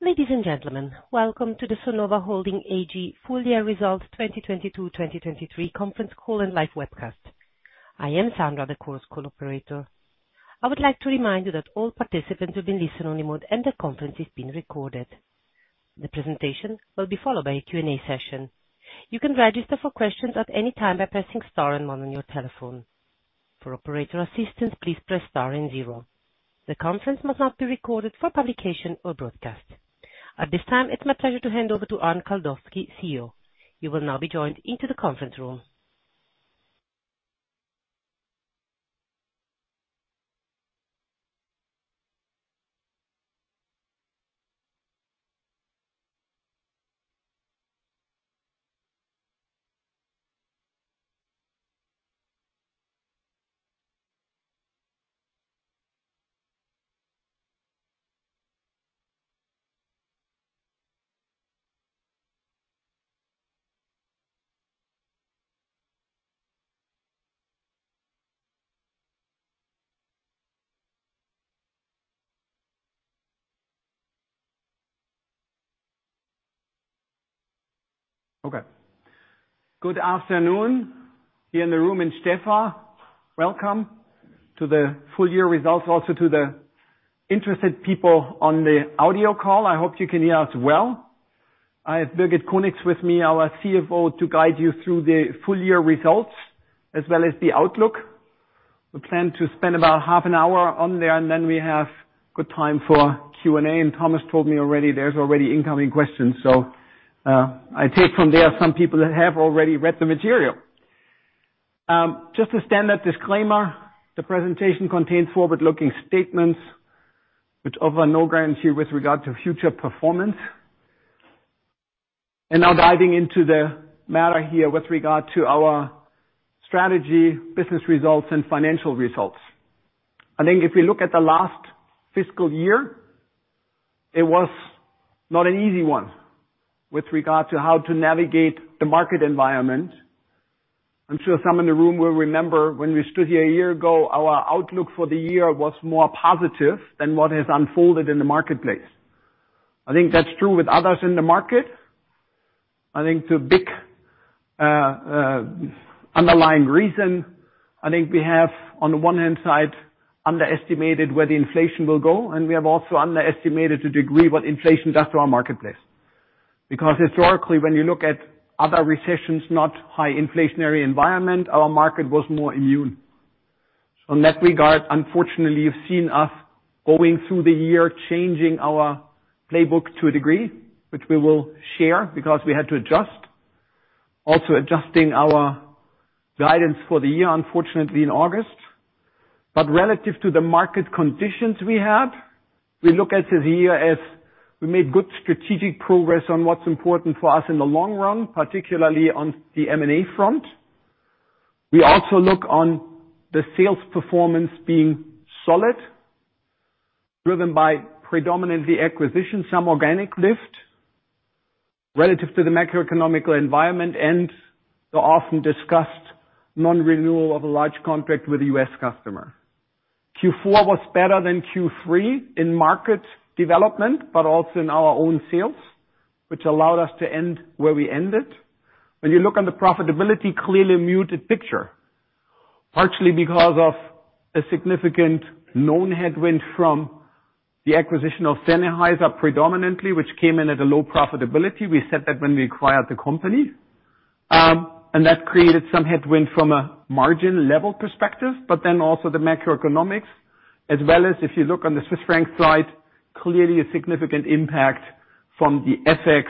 Ladies and gentlemen, welcome to the Sonova Holding AG Full Year Results 2022/2023 conference call and live webcast. I am Sandra, the Chorus Call operator. I would like to remind you that all participants have been listen-only mode and the conference is being recorded. The presentation will be followed by a Q&A session. You can register for questions at any time by pressing star and one on your telephone. For operator assistance, please press star and zero. The conference must not be recorded for publication or broadcast. At this time, it's my pleasure to hand over to Arnd Kaldowski, CEO. You will now be joined into the conference room. Okay. Good afternoon here in the room in Stäfa. Welcome to the full year results. To the interested people on the audio call, I hope you can hear us well. I have Birgit Conix with me, our CFO, to guide you through the full year results as well as the outlook. We plan to spend about half an hour on there, and then we have good time for Q&A. Thomas told me already there's already incoming questions, so I take from there some people that have already read the material. Just a standard disclaimer. The presentation contains forward-looking statements which offer no guarantee with regard to future performance. Now diving into the matter here with regard to our strategy, business results, and financial results. I think if we look at the last fiscal year, it was not an easy one with regard to how to navigate the market environment. I'm sure some in the room will remember when we stood here a year ago, our outlook for the year was more positive than what has unfolded in the marketplace. I think that's true with others in the market. I think it's a big underlying reason. I think we have, on the one hand side, underestimated where the inflation will go, and we have also underestimated to degree what inflation does to our marketplace. Because historically, when you look at other recessions, not high inflationary environment, our market was more immune. So in that regard, unfortunately, you've seen us going through the year, changing our playbook to a degree, which we will share because we had to adjust. Adjusting our guidance for the year, unfortunately in August. Relative to the market conditions we had, we look at the year as we made good strategic progress on what's important for us in the long run, particularly on the M&A front. We also look on the sales performance being solid, driven by predominantly acquisition, some organic lift relative to the macroeconomic environment and the often discussed non-renewal of a large contract with a U.S. customer. Q4 was better than Q3 in market development, but also in our own sales, which allowed us to end where we ended. When you look on the profitability, clearly a muted picture, partially because of a significant known headwind from the acquisition of Sennheiser predominantly, which came in at a low profitability. We said that when we acquired the company. And that created some headwind from a margin level perspective. Also the macroeconomics as well as if you look on the Swiss franc side, clearly a significant impact from the FX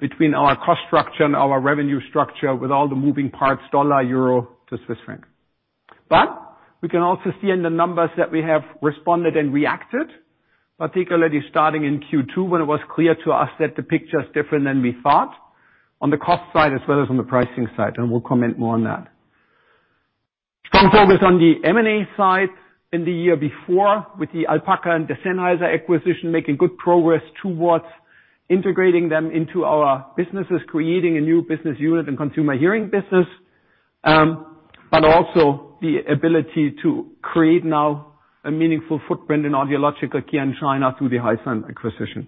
between our cost structure and our revenue structure with all the moving parts dollar euro to Swiss franc. We can also see in the numbers that we have responded and reacted, particularly starting in Q2 when it was clear to us that the picture is different than we thought on the cost side as well as on the pricing side, and we'll comment more on that. Strong focus on the M&A side in the year before with the Alpaca Audiology and the Sennheiser acquisition, making good progress towards integrating them into our businesses, creating a new business unit and Consumer Hearing business, but also the ability to create now a meaningful footprint in Audiological Care and China through the Hysound acquisition.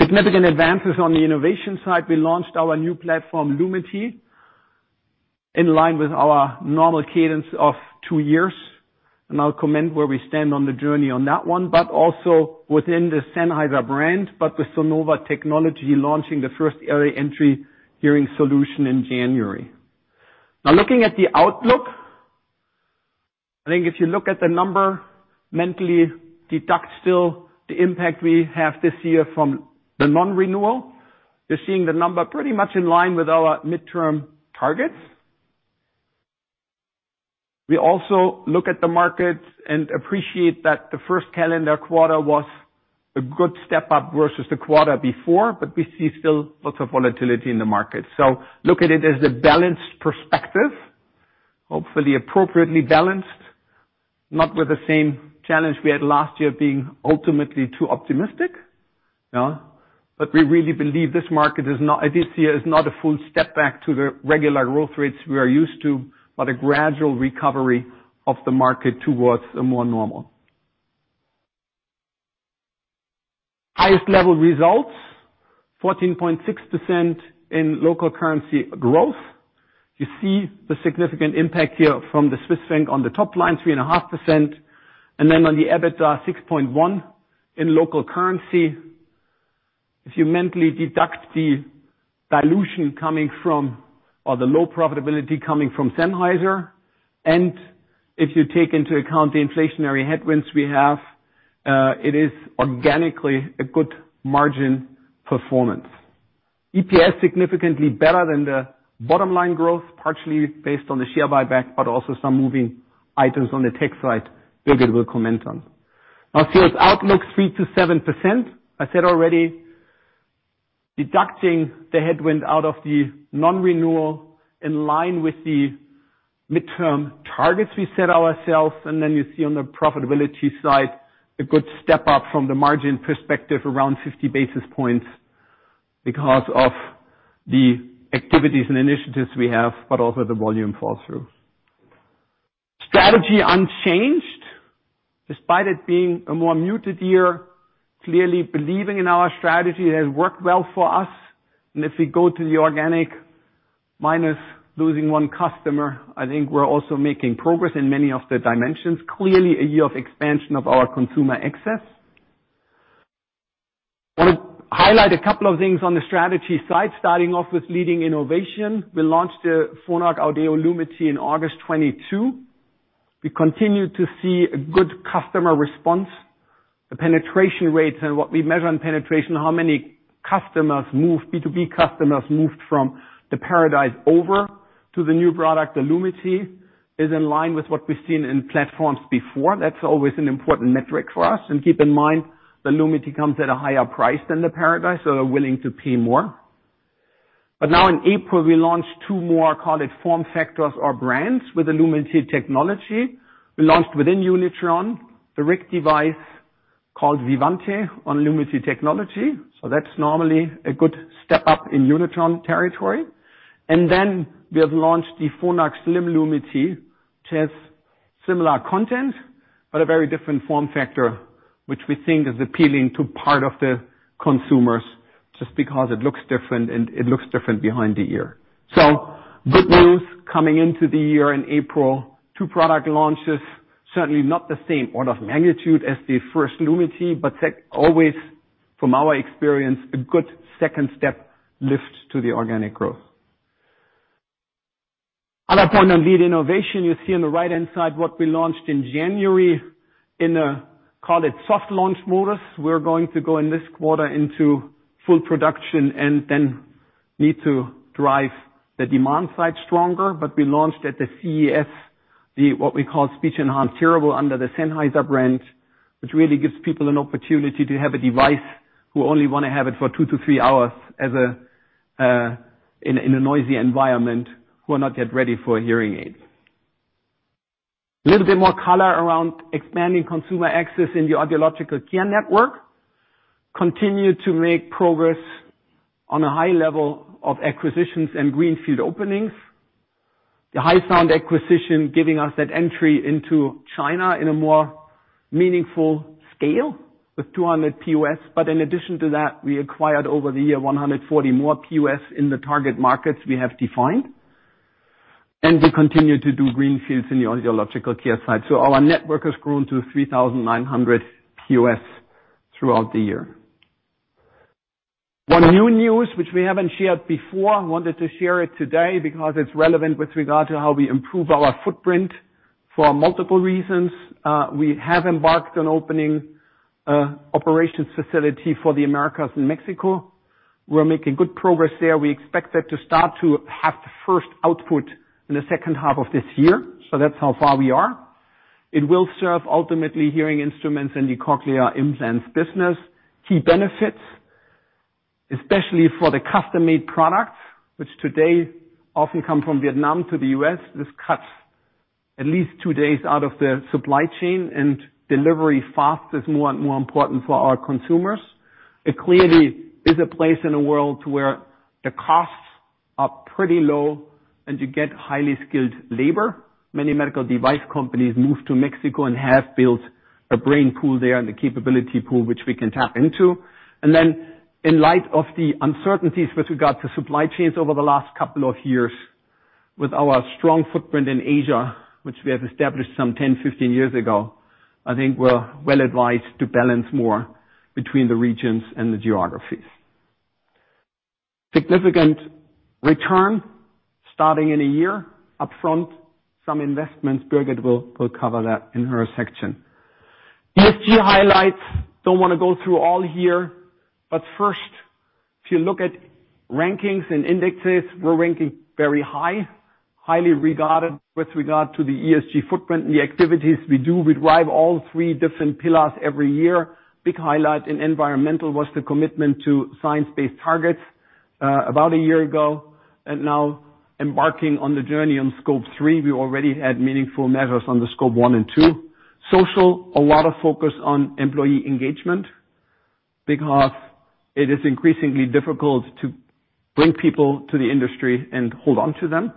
Significant advances on the innovation side. We launched our new platform, Lumity, in line with our normal cadence of two years. I'll comment where we stand on the journey on that one, but also within the Sennheiser brand. The Sonova technology launching the first early entry hearing solution in January. Looking at the outlook, I think if you look at the number mentally deduct still the impact we have this year from the non-renewal. You're seeing the number pretty much in line with our midterm targets. We also look at the markets and appreciate that the first calendar quarter was a good step up versus the quarter before, we see still lots of volatility in the market. Look at it as a balanced perspective, hopefully appropriately balanced, not with the same challenge we had last year being ultimately too optimistic. No, we really believe this market is not a full step back to the regular growth rates we are used to, but a gradual recovery of the market towards a more normal. Highest level results, 14.6% in local currency growth. You see the significant impact here from the Swiss franc on the top line, 3.5%. On the EBITDA, 6.1% in local currency. If you mentally deduct the dilution coming from or the low profitability coming from Sennheiser, if you take into account the inflationary headwinds we have, it is organically a good margin performance. EPS significantly better than the bottom line growth, partially based on the share buyback. Also some moving items on the tech side Birgit will comment on. Our sales outlook 3%-7%. I said already deducting the headwind out of the non-renewal in line with the midterm targets we set ourselves. Then you see on the profitability side a good step up from the margin perspective around 50 basis points because of the activities and initiatives we have, also the volume fall through. Strategy unchanged, despite it being a more muted year. Clearly, believing in our strategy has worked well for us. If we go to the organic minus losing one customer, I think we're also making progress in many of the dimensions. Clearly, a year of expansion of our consumer access. I want to highlight a couple of things on the strategy side, starting off with leading innovation. We launched the Phonak Audéo Lumity in August 2022. We continue to see a good customer response. The penetration rates and what we measure in penetration, how many B2B customers moved from the Paradise over to the new product. The Lumity is in line with what we've seen in platforms before. That's always an important metric for us. Keep in mind, the Lumity comes at a higher price than the Paradise, so they're willing to pay more. Now in April we launched two more, call it form factors or brands with the Lumity technology. We launched within Unitron, the RIC device called Vivante on Lumity technology. That's normally a good step up in Unitron territory. Then we have launched the Phonak Slim Lumity, which has similar content but a very different form factor, which we think is appealing to part of the consumers just because it looks different, and it looks different behind the ear. Good news coming into the year in April. Two product launches, certainly not the same order of magnitude as the first Lumity, but that always, from our experience, a good second step lift to the organic growth. Other point on lead innovation you see on the right-hand side what we launched in January in a, call it soft launch modus. We're going to go in this quarter into full production and then need to drive the demand side stronger. We launched at the CES what we call Speech Enhanced Hearable under the Sennheiser brand, which really gives people an opportunity to have a device who only wanna have it for 2-3 hours in a noisy environment who are not yet ready for a hearing aid. A little bit more color around expanding consumer access in the audiological care network. Continue to make progress on a high level of acquisitions and greenfield openings. The Hysound acquisition giving us that entry into China in a more meaningful scale with 200 POS. In addition to that, we acquired over the year 140 more POS in the target markets we have defined. We continue to do greenfields in the audiological care side. Our network has grown to 3,900 POS throughout the year. One new news which we haven't shared before, wanted to share it today because it's relevant with regard to how we improve our footprint for multiple reasons. We have embarked on opening operations facility for the Americas in Mexico. We're making good progress there. We expect that to start to have the first output in the second half of this year. That's how far we are. It will serve ultimately hearing instruments in the cochlear implants business. Key benefits, especially for the custom-made products which today often come from Vietnam to the U.S., this cuts at least two days out of the supply chain and delivery fast is more and more important for our consumers. It clearly is a place in the world where the costs are pretty low and you get highly skilled labor. Many medical device companies move to Mexico and have built a brain pool there and a capability pool which we can tap into. In light of the uncertainties with regard to supply chains over the last couple of years with our strong footprint in Asia, which we have established some 10, 15 years ago, I think we're well advised to balance more between the regions and the geographies. Significant return starting in a year. Upfront some investments. Birgit will cover that in her section. ESG highlights don't wanna go through all here, but first, if you look at rankings and indexes, we're ranking very high. Highly regarded with regard to the ESG footprint and the activities we do. We drive all three different pillars every year. Big highlight in environmental was the commitment to Science Based Targets. Now embarking on the journey on Scope 3, we already had meaningful measures on the Scope 1 and 2. Social, a lot of focus on employee engagement because it is increasingly difficult to bring people to the industry and hold on to them.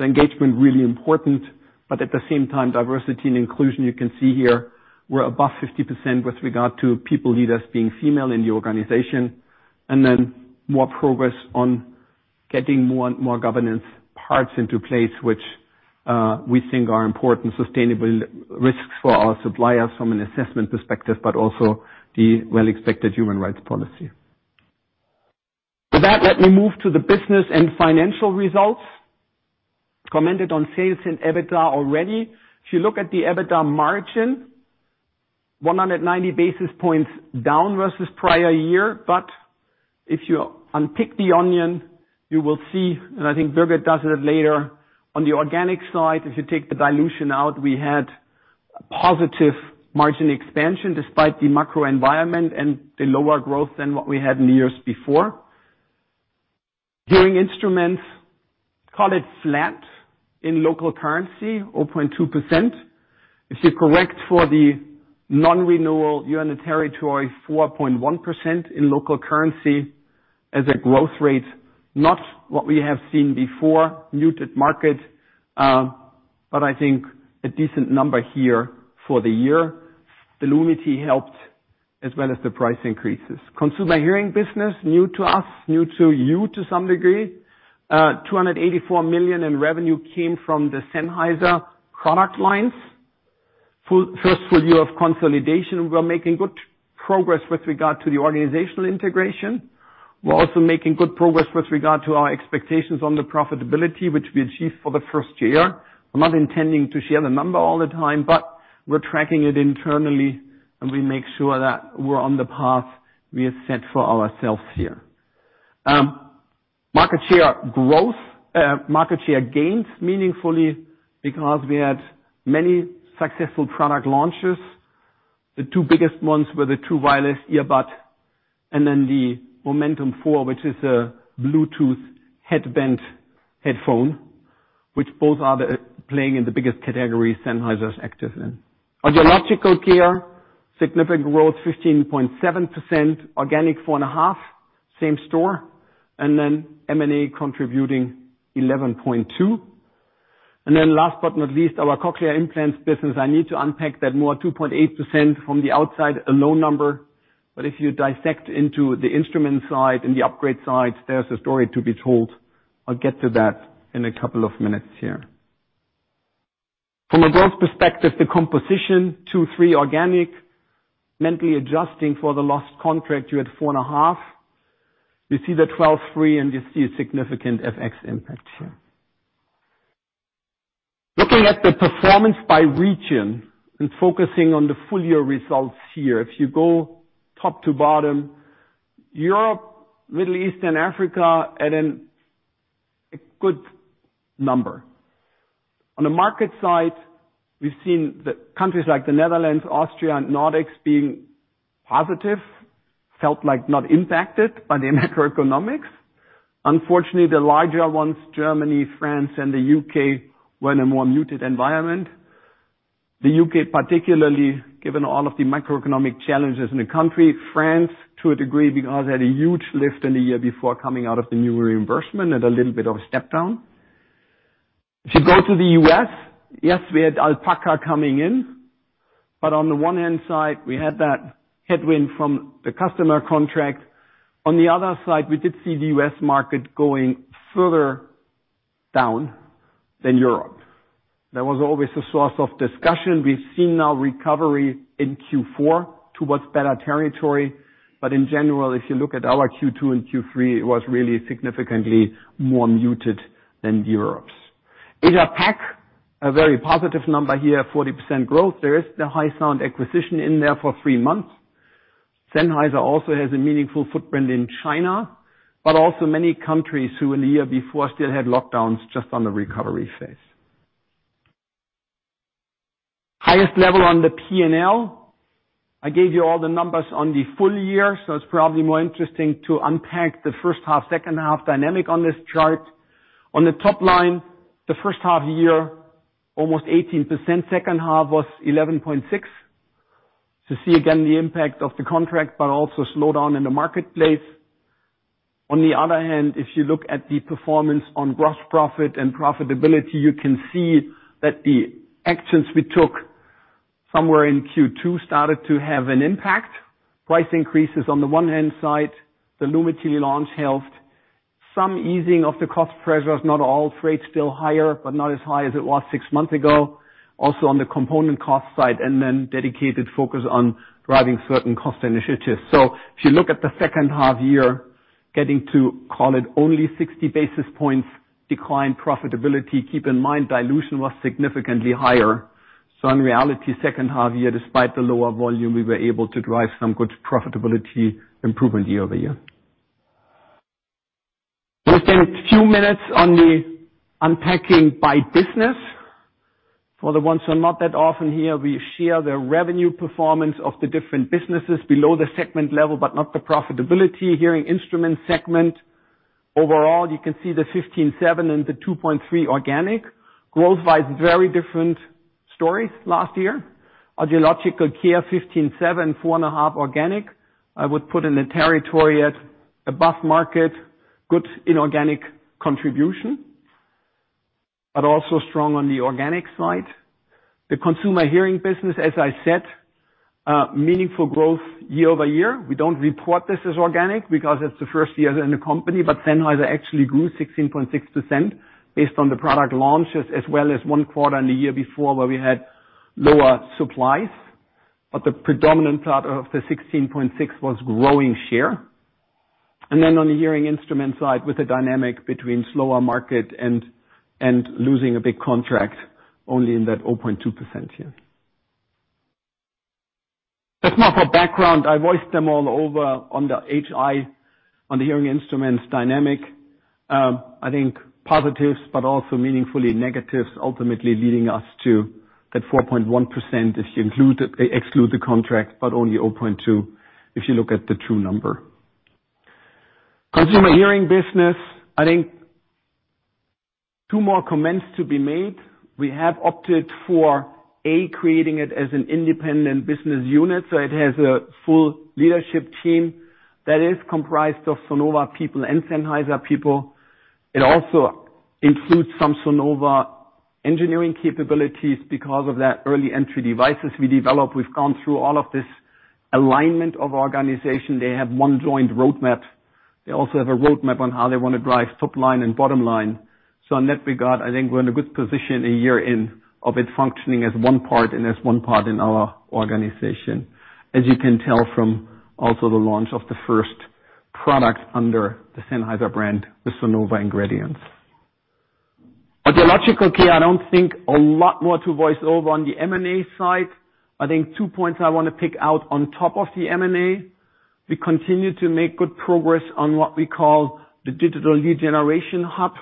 Engagement, really important, but at the same time, diversity and inclusion, you can see here, we're above 50% with regard to people leaders being female in the organization. Then more progress on getting more governance parts into place, which we think are important sustainable risks for our suppliers from an assessment perspective, but also the well-expected human rights policy. With that, let me move to the business and financial results. Commented on sales and EBITDA already. You look at the EBITDA margin, 190 basis points down versus prior year. You unpick the onion, you will see, and I think Birgit does it later on the organic side, if you take the dilution out, we had positive margin expansion despite the macro environment and the lower growth than what we had in the years before. Hearing instruments, call it flat in local currency, 0.2%. You correct for the non-renewal U.N. territory, 4.1% in local currency as a growth rate, not what we have seen before, muted market, but I think a decent number here for the year. The Lumity helped as well as the price increases. Consumer Hearing business, new to us, new to you to some degree. 284 million in revenue came from the Sennheiser product lines. First full year of consolidation, we are making good progress with regard to the organizational integration. We're also making good progress with regard to our expectations on the profitability, which we achieved for the first year. I'm not intending to share the number all the time, but we're tracking it internally, and we make sure that we're on the path we have set for ourselves here. Market share growth, market share gains meaningfully because we had many successful product launches. The two biggest ones were the true wireless earbud and then the MOMENTUM 4, which is a Bluetooth headband headphone, which both are playing in the biggest category Sennheiser is active in. Audiological Care, significant growth, 15.7% organic, 4.5% same store, and then M&A contributing 11.2%. Last but not least, our cochlear implants business. I need to unpack that more, 2.8% from the outside, a low number. If you dissect into the instrument side and the upgrade side, there's a story to be told. I'll get to that in a couple of minutes here. From a growth perspective, the composition 2-3 organic, mentally adjusting for the lost contract, you had 4.5. You see the 12.3, and you see a significant FX impact here. Looking at the performance by region and focusing on the full year results here. If you go top to bottom, Europe, Middle East, and Africa at a good number. On the market side, we've seen the countries like the Netherlands, Austria, and Nordics being positive, felt like not impacted by the macroeconomics. Unfortunately, the larger ones, Germany, France, and the UK, were in a more muted environment. The U.K., particularly given all of the macroeconomic challenges in the country. France, to a degree, because they had a huge lift in the year before coming out of the new reimbursement at a little bit of a step down. If you go to the U.S., yes, we had Alpaca coming in. On the one hand side, we had that headwind from the customer contract. On the other side, we did see the U.S. market going further down than Europe. That was always a source of discussion. We've seen now recovery in Q4 towards better territory. In general, if you look at our Q2 and Q3, it was really significantly more muted than Europe's. Asia Pac, a very positive number here, 40% growth. There is the Hysound acquisition in there for 3 months. Sennheiser also has a meaningful footprint in China, but also many countries who in the year before still had lockdowns just on the recovery phase. Highest level on the P&L. I gave you all the numbers on the full year, so it's probably more interesting to unpack the first half, second half dynamic on this chart. On the top line, the first half year, almost 18%, second half was 11.6%. See again the impact of the contract but also slowdown in the marketplace. On the other hand, if you look at the performance on gross profit and profitability, you can see that the actions we took somewhere in Q2 started to have an impact. Price increases on the one hand side, the Lumity launch helped. Some easing of the cost pressures, not all. Freight's still higher, but not as high as it was six months ago. On the component cost side, dedicated focus on driving certain cost initiatives. If you look at the second half-year, getting to call it only 60 basis points declined profitability. Keep in mind, dilution was significantly higher. In reality, second half-year, despite the lower volume, we were able to drive some good profitability improvement year-over-year. We'll spend a few minutes on the unpacking by business. For the ones who are not that often here, we share the revenue performance of the different businesses below the segment level, not the profitability Hearing Instrument Segment. Overall, you can see the 15.7 and the 2.3 organic growth-wise, very different stories last year. Audiological Care 15.7, 4.5 organic I would put in the territory at above market, good inorganic contribution, also strong on the organic side. The Consumer Hearing business, as I said, meaningful growth year-over-year. We don't report this as organic because it's the first year in the company. Sennheiser actually grew 16.6% based on the product launches as well as 1 quarter in the year before where we had lower supplies. The predominant part of the 16.6 was growing share. On the hearing instrument side with the dynamic between slower market and losing a big contract only in that 0.2% here. That's more for background. I voiced them all over on the HI, on the hearing instruments dynamic, I think positives but also meaningfully negatives ultimately leading us to that 4.1% if you include, exclude the contract but only 0.2 if you look at the true number. Consumer Hearing business, I think two more comments to be made. We have opted for A, creating it as an independent business unit so it has a full leadership team that is comprised of Sonova people and Sennheiser people. It also includes some Sonova engineering capabilities. Because of that early entry devices we develop, we've gone through all of this alignment of organization. They have one joint roadmap. They also have a roadmap on how they want to drive top line and bottom line. In that regard, I think we're in a good position a year in of it functioning as one part and as one part in our organization. As you can tell from also the launch of the first product under the Sennheiser brand with Sonova ingredients. Audiological Care I don't think a lot more to voice over on the M&A side. I think two points I want to pick out on top of the M&A. We continue to make good progress on what we call the Digital Lead Generation Hub.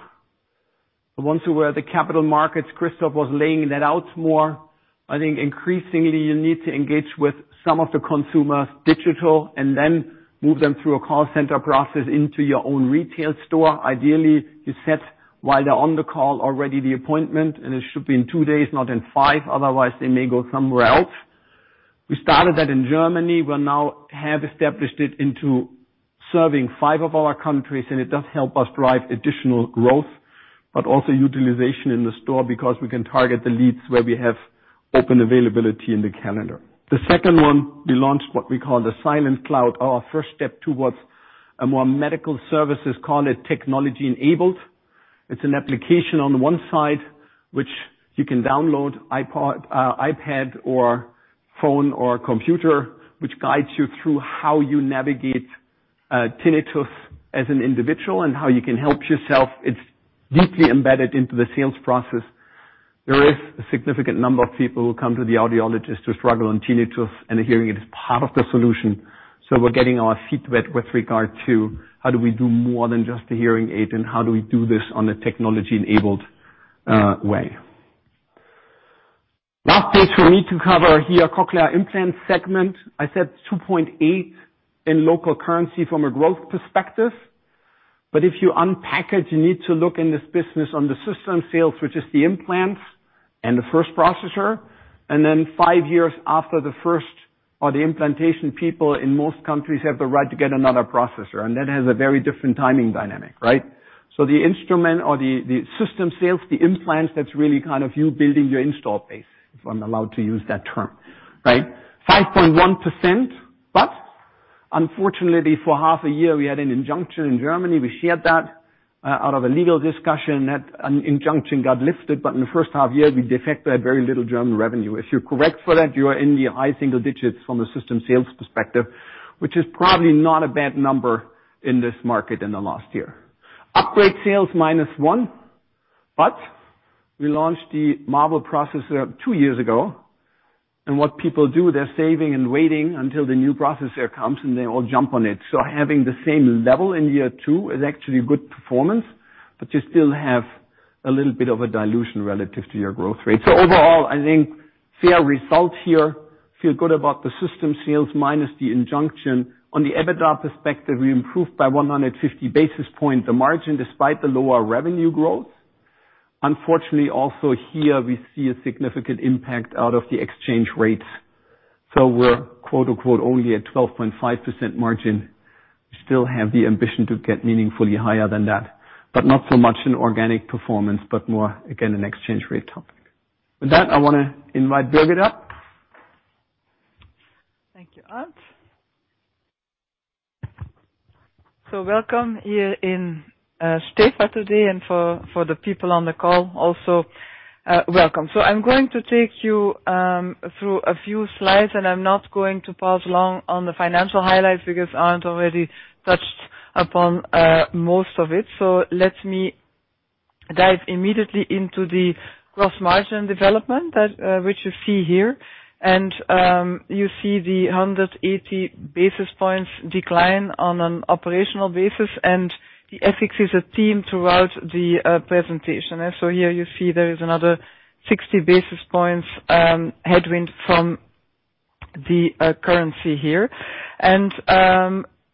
The ones who were at the capital markets, Christophe was laying that out more. I think increasingly you need to engage with some of the consumers digital and then move them through a call center process into your own retail store. Ideally, you set while they're on the call already the appointment, and it should be in two days, not in five, otherwise they may go somewhere else. We started that in Germany. We now have established it into serving five of our countries and it does help us drive additional growth but also utilization in the store because we can target the leads where we have open availability in the calendar. The second one we launched what we call the SilentCloud, our first step towards a more medical services, call it technology enabled. It's an application on one side which you can download iPad or phone or computer, which guides you through how you navigate tinnitus as an individual and how you can help yourself. It's deeply embedded into the sales process. There is a significant number of people who come to the audiologist who struggle on tinnitus and hearing it is part of the solution. We're getting our feet wet with regard to how do we do more than just a hearing aid and how do we do this on a technology enabled way. Last page for me to cover here, cochlear implant segment. I said 2.8 in local currency from a growth perspective. If you unpack it, you need to look in this business on the system sales, which is the implants and the first processor. Then five years after the first or the implantation, people in most countries have the right to get another processor. That has a very different timing dynamic, right? The instrument or the system sales, the implants, that's really kind of you building your install base, if I'm allowed to use that term, right? 5.1%, but unfortunately for half a year we had an injunction in Germany. We shared that out of a legal discussion that an injunction got lifted. In the first half year we de facto had very little German revenue. If you correct for that you are in the high single digits from a system sales perspective, which is probably not a bad number in this market in the last year. Upgrade sales -1. We launched the Marvel processor two years ago. What people do, they're saving and waiting until the new processor comes and they all jump on it. Having the same level in year two is actually good performance, but you still have a little bit of a dilution relative to your growth rate. Overall, I think fair results here, feel good about the system sales minus the injunction. On the EBITDA perspective, we improved by 150 basis points the margin despite the lower revenue growth. Unfortunately also here we see a significant impact out of the exchange rates. We're quote unquote only at 12.5% margin. We still have the ambition to get meaningfully higher than that, but not so much in organic performance but more again an exchange rate topic. With that, I wanna invite Birgit up. Thank you, Arndt. Welcome here in Stäfa today and for the people on the call also, welcome. I'm going to take you through a few slides and I'm not going to pause long on the financial highlights because Arndt already touched upon most of it. Let me dive immediately into the gross margin development which you see here. You see the 180 basis points decline on an operational basis, and the FX is a theme throughout the presentation. Here you see there is another 60 basis points headwind from the currency here.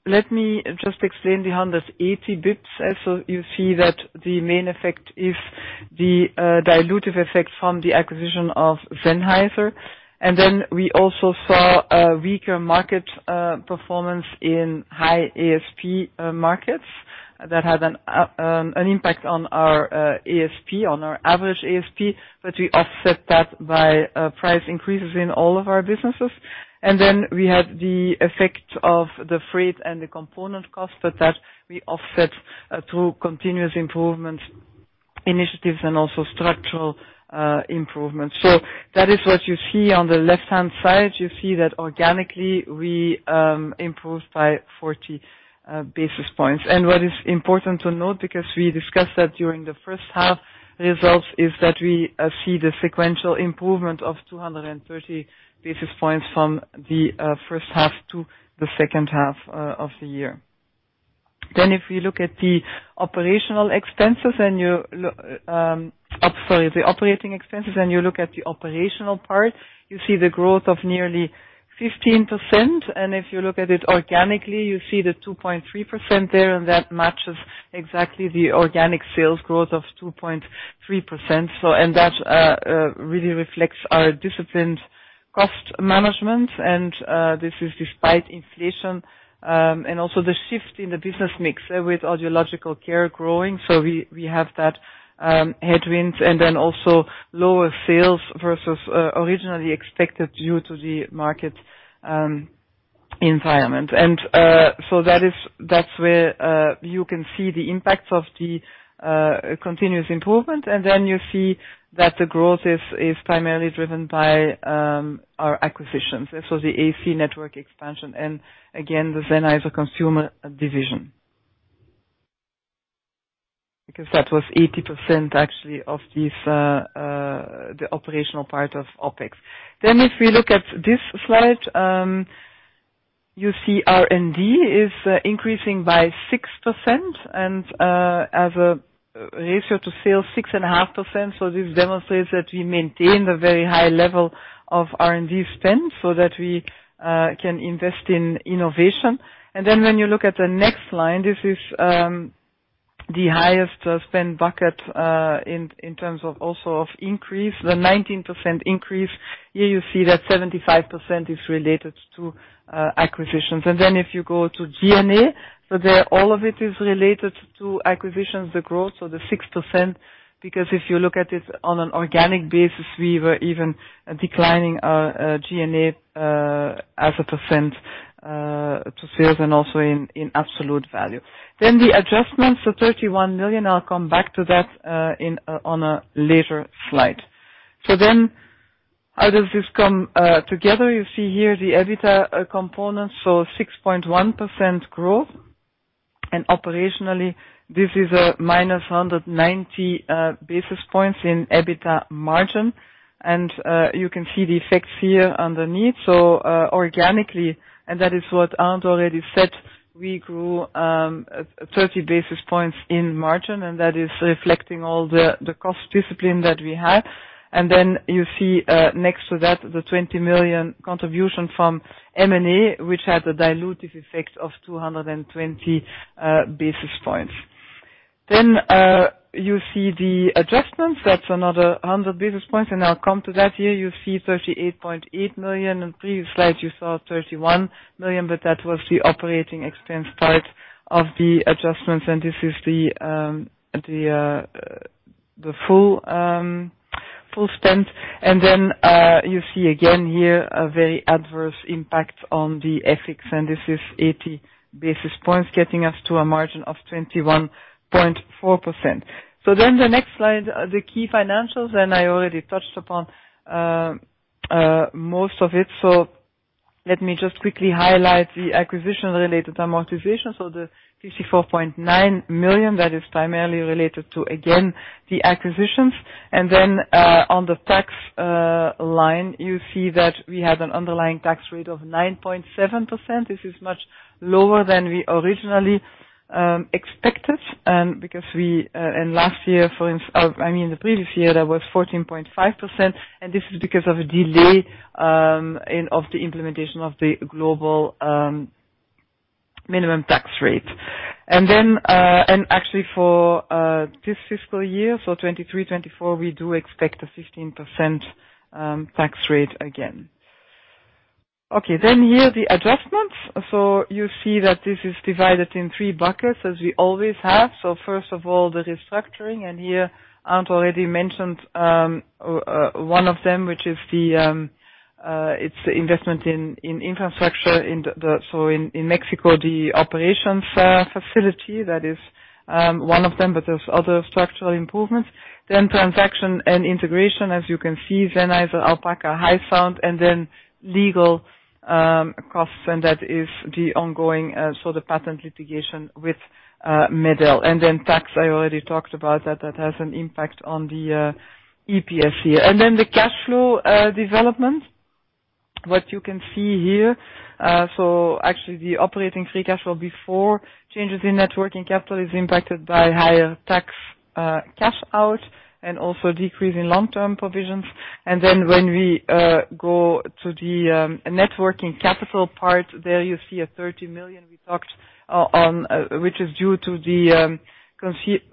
Let me just explain the 180 basis points. You see that the main effect is the dilutive effect from the acquisition of Sennheiser. We also saw a weaker market performance in high ASP markets that had an impact on our ASP, on our average ASP. We offset that by price increases in all of our businesses. We had the effect of the freight and the component cost, but that we offset through continuous improvement initiatives and also structural improvements. That is what you see on the left-hand side. You see that organically we improved by 40 basis points. What is important to note, because we discussed that during the first half results, is that we see the sequential improvement of 230 basis points from the first half to the second half of the year. If we look at the operating expenses, and you look at the operational part, you see the growth of nearly 15%. If you look at it organically, you see the 2.3% there, and that matches exactly the organic sales growth of 2.3%. That really reflects our disciplined cost management. This is despite inflation and also the shift in the business mix with Audiological Care growing. We have that headwinds and then also lower sales versus originally expected due to the market environment. That is, that's where you can see the impact of the continuous improvement. You see that the growth is primarily driven by our acquisitions. The AC network expansion and again, the Sennheiser Consumer Division. That was 80% actually of this, the operational part of OpEx. If we look at this slide, you see R&D is increasing by 6% and as a ratio to sales, 6.5%. This demonstrates that we maintain the very high level of R&D spend so that we can invest in innovation. When you look at the next line, this is the highest spend bucket in terms of also of increase, the 19% increase. Here you see that 75% is related to acquisitions. If you go to G&A, there all of it is related to acquisitions, the growth, the 6%, because if you look at it on an organic basis, we were even declining G&A as a percent to sales and also in absolute value. The adjustments of 31 million, I'll come back to that on a later slide. How does this come together? You see here the EBITDA component, 6.1% growth. Operationally, this is a minus 190 basis points in EBITDA margin. You can see the effects here underneath. Organically, and that is what Arndt already said, we grew 30 basis points in margin, and that is reflecting all the cost discipline that we have. You see next to that, the 20 million contribution from M&A, which had a dilutive effect of 220 basis points. You see the adjustments. That's another 100 basis points, and I'll come to that here. You see 38.8 million. In previous slide, you saw 31 million, but that was the operating expense part of the adjustments. This is the full full spend. You see again here a very adverse impact on the FX, and this is 80 basis points getting us to a margin of 21.4%. The next slide, the key financials, I already touched upon most of it. Let me just quickly highlight the acquisition related amortization. The 54.9 million, that is primarily related to the acquisitions. On the tax line, you see that we had an underlying tax rate of 9.7%. This is much lower than we originally expected, because I mean, the previous year, that was 14.5%. This is because of a delay of the implementation of the global minimum tax rate. Actually for this fiscal year, so 2023, 2024, we do expect a 15% tax rate again. Here the adjustments. You see that this is divided in three buckets as we always have. First of all, the restructuring, and here Arnd already mentioned one of them, which is the investment in infrastructure in Mexico, the operations facility, that is one of them, but there's other structural improvements. Transaction and integration, as you can see, Sennheiser, Alpaca, Hysound, and then legal costs and that is the ongoing, so the patent litigation with MED-EL. Tax, I already talked about that. That has an impact on the EPS here. The cash flow development, what you can see here, actually the operating free cash flow before changes in net working capital is impacted by higher tax cash out and also decrease in long-term provisions. Then when we go to the net working capital part, there you see 30 million we talked on, which is due to the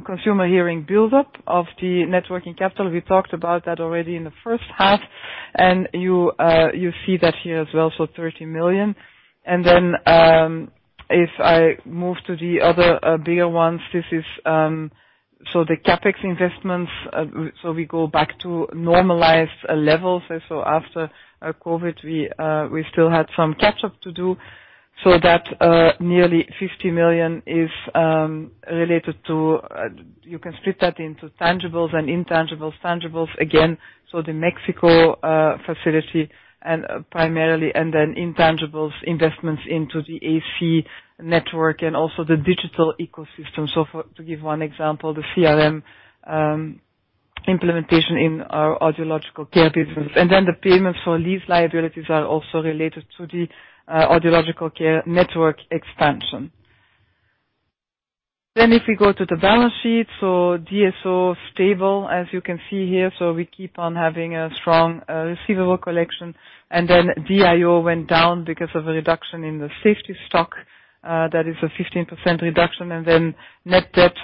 Consumer Hearing build-up of the net working capital. We talked about that already in the first half, and you see that here as well, so 30 million. Then if I move to the other bigger ones, this is the CapEx investments. So we go back to normalized levels. So after COVID, we still had some catch-up to do. So that nearly 50 million is related to... You can split that into tangibles and intangibles. Tangibles, again, so the Mexico facility and primarily, and then intangibles investments into the AC network and also the digital ecosystem. To give one example, the CRM implementation in our Audiological Care business. The payments for these liabilities are also related to the Audiological Care network expansion. If we go to the balance sheet, DSO stable, as you can see here. We keep on having a strong receivable collection. DIO went down because of a reduction in the safety stock. That is a 15% reduction. Net debt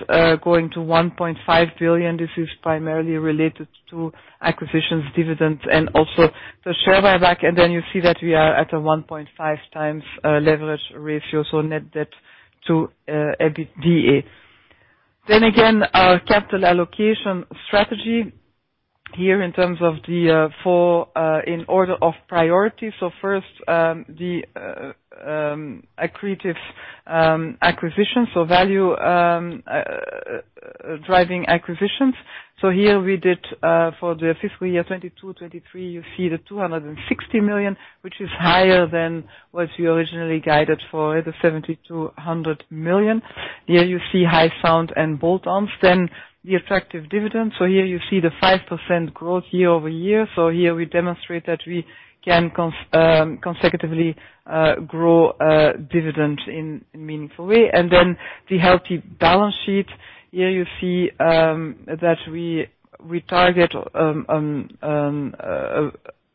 going to 1.5 billion. This is primarily related to acquisitions, dividends, and also the share buyback. You see that we are at a 1.5x leverage ratio, net debt to EBITDA. Our capital allocation strategy here in terms of the in order of priority. First, the accretive acquisition, so value driving acquisitions. Here we did for the fiscal year 2022, 2023, you see the 260 million, which is higher than what we originally guided for, the 70 million-100 million. Here you see Hysound and bolt-ons. The attractive dividend. Here you see the 5% growth year-over-year. Here we demonstrate that we can consecutively grow dividend in meaningful way. The healthy balance sheet. Here you see that we target a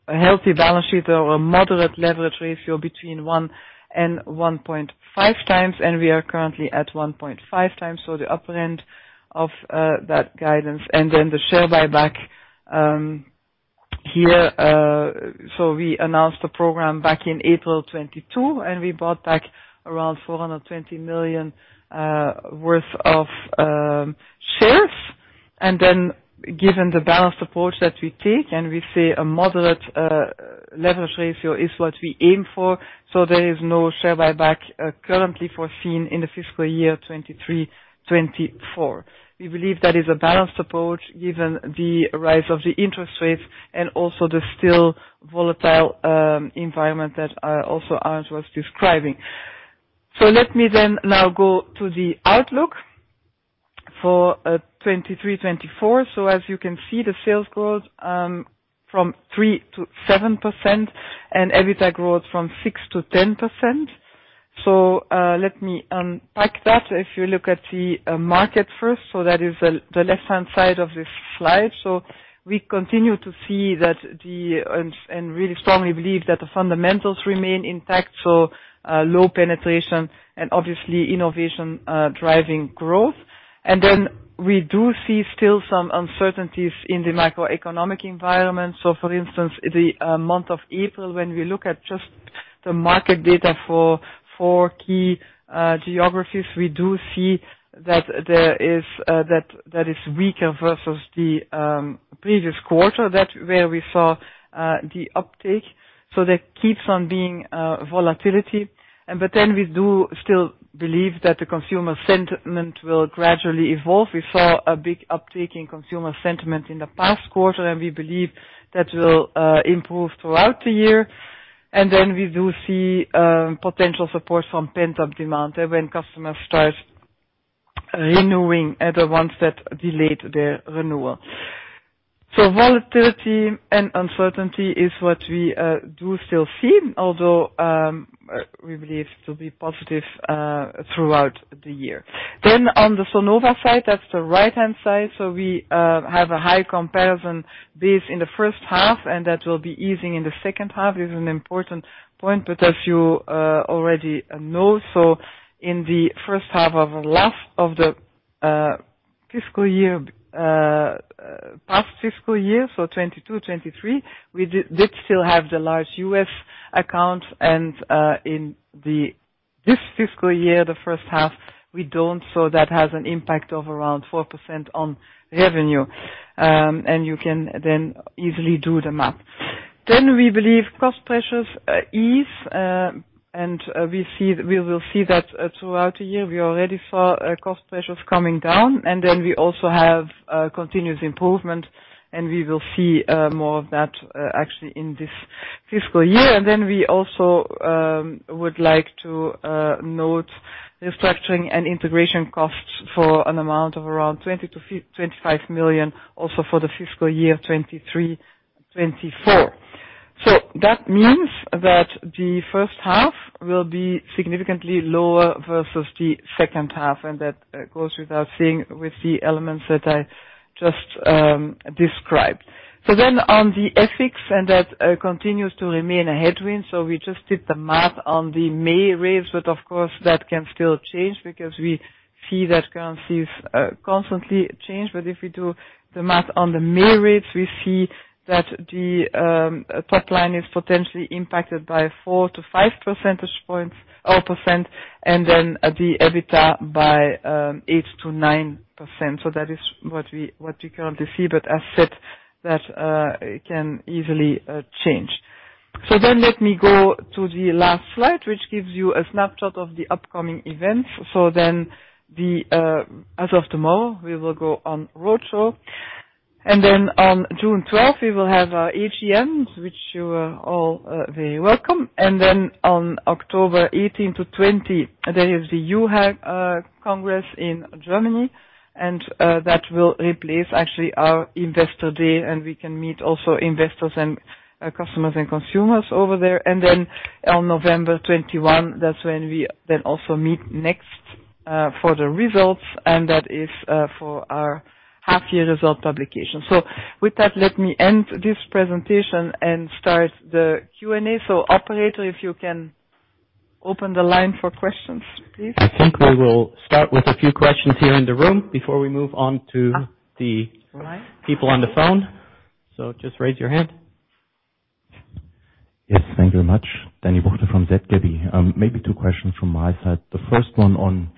healthy balance sheet or a moderate leverage ratio between 1 and 1.5 times, and we are currently at 1.5 times, so the upper end of that guidance. The share buyback here, so we announced the program back in April 2022, and we bought back around 420 million worth of shares. Given the balanced approach that we take, and we say a moderate leverage ratio is what we aim for, there is no share buyback currently foreseen in the fiscal year 2023-2024. We believe that is a balanced approach given the rise of the interest rates and also the still volatile environment that also Arnd was describing. Let me then now go to the outlook for 2023-2024. As you can see, the sales growth from 3%-7% and EBITDA growth from 6%-10%. Let me unpack that. If you look at the market first, that is the left-hand side of this slide. We continue to see And really strongly believe that the fundamentals remain intact, low penetration and obviously innovation driving growth. We do see still some uncertainties in the macroeconomic environment. For instance, the month of April, when we look at just the market data for four key geographies, we do see that there is that is weaker versus the previous quarter. That's where we saw the uptake. There keeps on being volatility. We do still believe that the consumer sentiment will gradually evolve. We saw a big uptake in consumer sentiment in the past quarter, and we believe that will improve throughout the year. We do see potential support from pent-up demand when customers start renewing the ones that delayed their renewal. Volatility and uncertainty is what we do still see, although we believe to be positive throughout the year. On the Sonova side, that's the right-hand side. We have a high comparison base in the first half, and that will be easing in the second half. This is an important point, but as you already know. In the first half of the fiscal year, past fiscal year, 2022, 2023, we did still have the large U.S. accounts. In this fiscal year, the first half, we don't. That has an impact of around 4% on revenue. You can then easily do the math. We believe cost pressures ease, and we will see that throughout the year. We already saw cost pressures coming down. We also have continuous improvement, and we will see more of that actually in this fiscal year. We also would like to note restructuring and integration costs for an amount of around 20 million-25 million also for the fiscal year 2023, 2024. That means that the first half will be significantly lower versus the second half, and that goes without saying with the elements that I just described. On the FX, and that continues to remain a headwind. We just did the math on the May rates, but of course, that can still change because we see that currencies constantly change. If we do the math on the May rates, we see that the top line is potentially impacted by 4 to 5 percentage points or %, and then the EBITDA by 8%-9%. That is what we currently see, but as said, that can easily change. Let me go to the last slide, which gives you a snapshot of the upcoming events. As of tomorrow, we will go on roadshow, and then on June 12th, we will have our AGMs, which you are all very welcome. On October 18th-20th, there is the EUHA Congress in Germany, and that will replace actually our investor day, and we can meet also investors and customers and consumers over there. On November 21, that's when we then also meet next for the results, and that is for our half year result publication. With that, let me end this presentation and start the Q&A. Operator, if you can open the line for questions, please. I think we will start with a few questions here in the room before we move on to the-. All right. people on the phone. Just raise your hand. Yes, thank you very much. Daniel Böhni from ZKB. Maybe two questions from my side. The first one on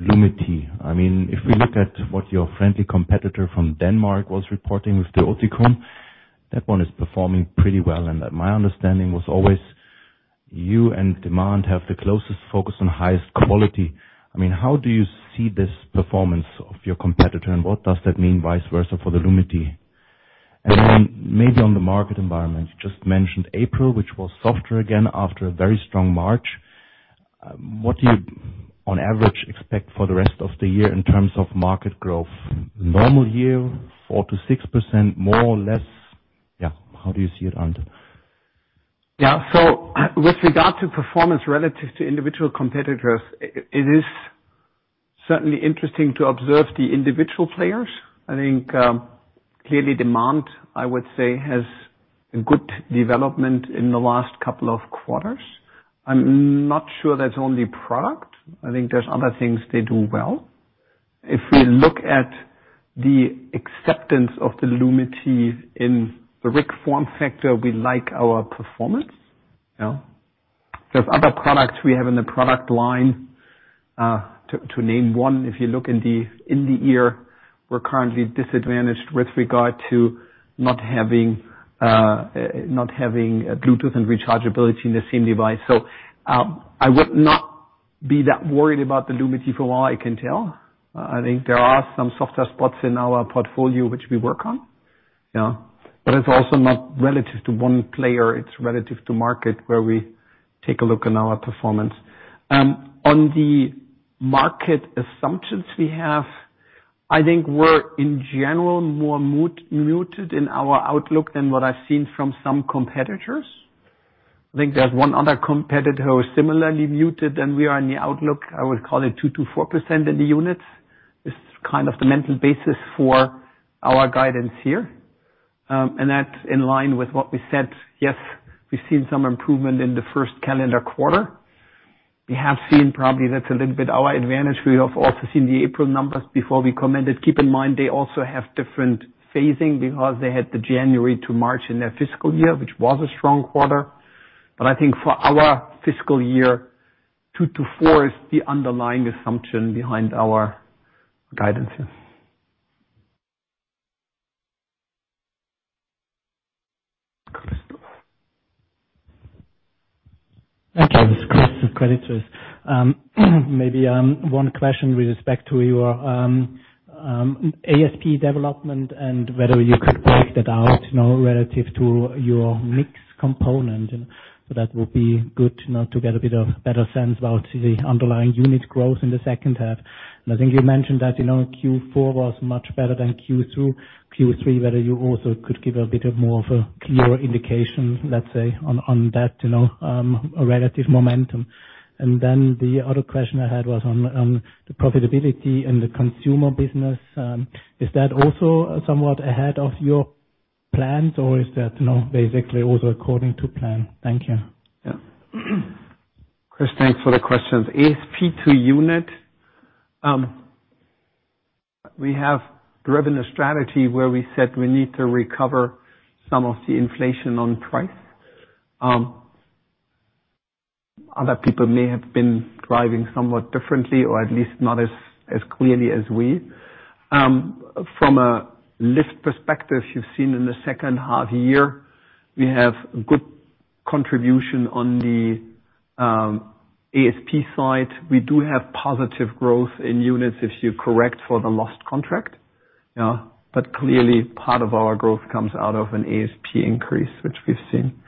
Lumity. I mean, if we look at what your friendly competitor from Denmark was reporting with the Oticon, that one is performing pretty well. I mean, my understanding was always you and Demant have the closest focus on highest quality. I mean, how do you see this performance of your competitor, and what does that mean, vice versa for the Lumity? Then maybe on the market environment, you just mentioned April, which was softer again after a very strong March. What do you on average expect for the rest of the year in terms of market growth? Normal year, 4%-6% more or less? Yeah. How do you see it, Arnd? With regard to performance relative to individual competitors, it is certainly interesting to observe the individual players. I think, clearly Demant, I would say, has a good development in the last couple of quarters. I'm not sure that's only product. I think there's other things they do well. If we look at the acceptance of the Lumity in the RIC form factor, we like our performance. There's other products we have in the product line, to name one, if you look in the ear, we're currently disadvantaged with regard to not having Bluetooth and rechargeability in the same device. I would not be that worried about the Lumity from what I can tell. I think there are some softer spots in our portfolio which we work on. It's also not relative to one player, it's relative to market, where we take a look on our performance. On the market assumptions we have, I think we're in general more muted in our outlook than what I've seen from some competitors. I think there's one other competitor who is similarly muted, and we are in the outlook, I would call it 2%-4% in the units. This is kind of the mental basis for our guidance here. That's in line with what we said. Yes, we've seen some improvement in the first calendar quarter. We have seen probably that's a little bit our advantage. We have also seen the April numbers before we commented. Keep in mind, they also have different phasing because they had the January to March in their fiscal year, which was a strong quarter. I think for our fiscal year, 2%-4% is the underlying assumption behind our guidances. Christoph. Thank you. This is Christoph Gretler. Maybe one question with respect to your ASP development and whether you could break that out, you know, relative to your mix component. That would be good, you know, to get a bit of better sense about the underlying unit growth in the second half. I think you mentioned that, you know, Q4 was much better than Q2, Q3, whether you also could give a bit of more of a clearer indication, let’s say, on that, you know, a relative momentum. The other question I had was on the profitability in the consumer business. Is that also somewhat ahead of your plans, or is that, you know, basically also according to plan? Thank you. Chris, thanks for the questions. ASP to unit. We have driven a strategy where we said we need to recover some of the inflation on price. Other people may have been driving somewhat differently or at least not as clearly as we. From a lift perspective, you've seen in the second half year, we have good contribution on the ASP side. We do have positive growth in units if you correct for the lost contract. Clearly, part of our growth comes out of an ASP increase, which we've seen.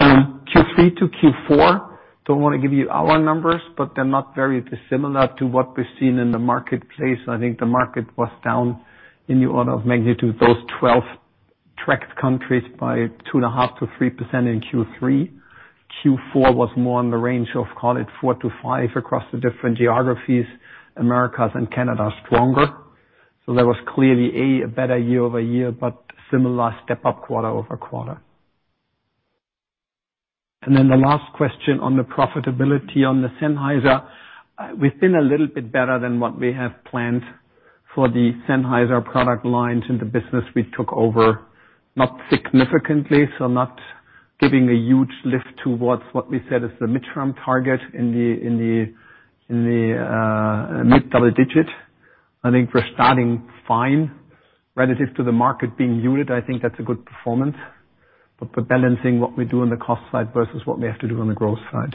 Q3 to Q4, don't want to give you our numbers, but they're not very dissimilar to what we've seen in the marketplace. I think the market was down in the order of magnitude, those 12 tracked countries by 2.5%-3% in Q3. Q4 was more in the range of, call it, 4%-5% across the different geographies. Americas and Canada are stronger. There was clearly a better year-over-year, but similar step-up quarter-over-quarter. The last question on the profitability on the Sennheiser. We've been a little bit better than what we have planned for the Sennheiser product lines in the business we took over. Not significantly, so not giving a huge lift towards what we said is the midterm target in the mid-double digit. I think we're starting fine relative to the market being unit. I think that's a good performance. We're balancing what we do on the cost side versus what we have to do on the growth side.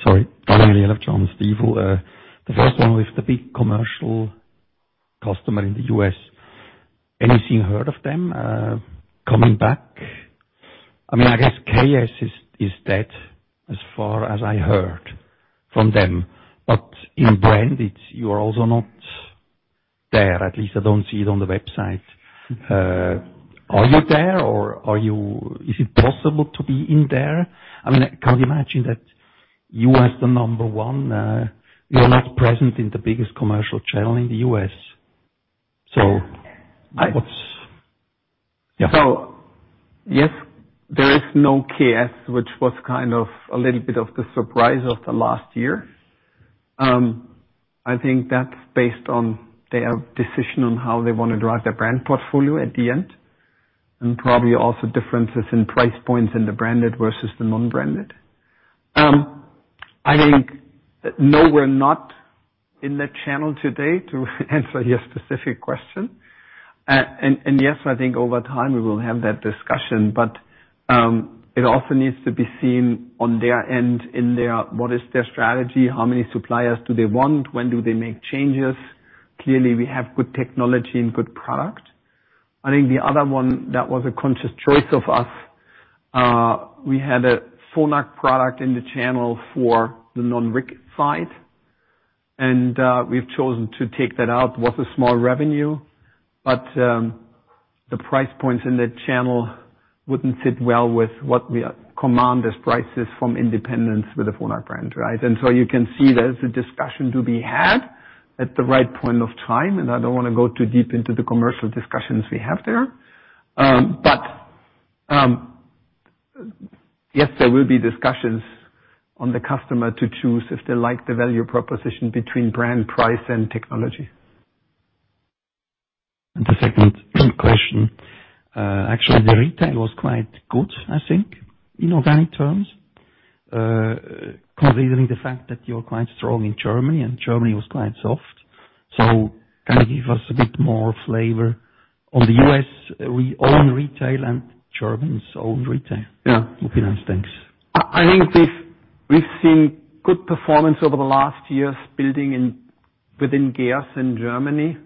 Oh, sorry. The first one with the big commercial customer in the U.S. Anything heard of them coming back? I mean, I guess KS is dead as far as I heard from them. In branded, you are also not there. At least I don't see it on the website. Are you there or is it possible to be in there? I mean, I can't imagine that you as the number 1, you're not present in the biggest commercial channel in the U.S. What's Yeah? Yes, there is no KS, which was kind of a little bit of the surprise of the last year. I think that's based on their decision on how they wanna drive their brand portfolio at the end, and probably also differences in price points in the branded versus the non-branded. I think, no, we're not in that channel today, to answer your specific question. And yes, I think over time we will have that discussion. It also needs to be seen on their end in their, what is their strategy? How many suppliers do they want? When do they make changes? Clearly, we have good technology and good product. I think the other one that was a conscious choice of us, we had a Phonak product in the channel for the non-RIC side, and we've chosen to take that out. It was a small revenue, but the price points in that channel wouldn't sit well with what we command as prices from independents with the Phonak brand, right? You can see there's a discussion to be had at the right point of time, and I don't wanna go too deep into the commercial discussions we have there. Yes, there will be discussions on the customer to choose if they like the value proposition between brand, price, and technology. The second question, actually, the retail was quite good, I think, in organic terms, considering the fact that you're quite strong in Germany and Germany was quite soft. Can you give us a bit more flavor on the US own retail and German's own retail? Yeah. Okay, thanks. I think we've seen good performance over the last years building in within GEERS in Germany.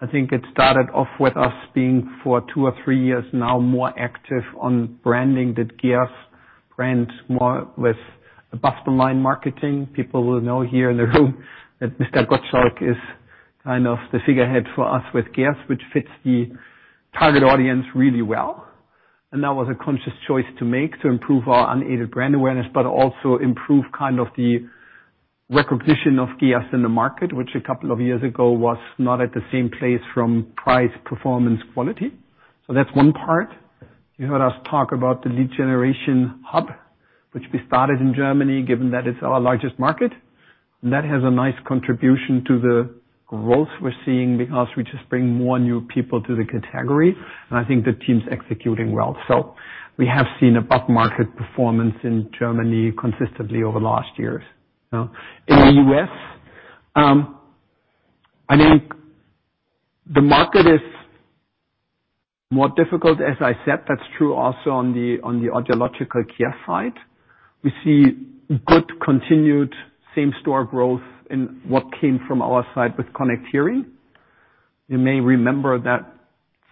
I think it started off with us being, for two or three years now, more active on branding the GEERS brand more with above-the-line marketing. People will know here in the room that Mr. Gottschalk is kind of the figurehead for us with GEERS, which fits the target audience really well. That was a conscious choice to make to improve our unaided brand awareness, but also improve kind of the recognition of GEERS in the market, which a couple of years ago was not at the same place from price, performance, quality. That's one part. You heard us talk about the Lead Generation Hub, which we started in Germany, given that it's our largest market. That has a nice contribution to the growth we're seeing because we just bring more new people to the category, and I think the team's executing well. We have seen above-market performance in Germany consistently over the last years. Now, in the U.S., I think the market is more difficult. As I said, that's true also on the audiological care side. We see good continued same-store growth in what came from our side with Connect Hearing. You may remember that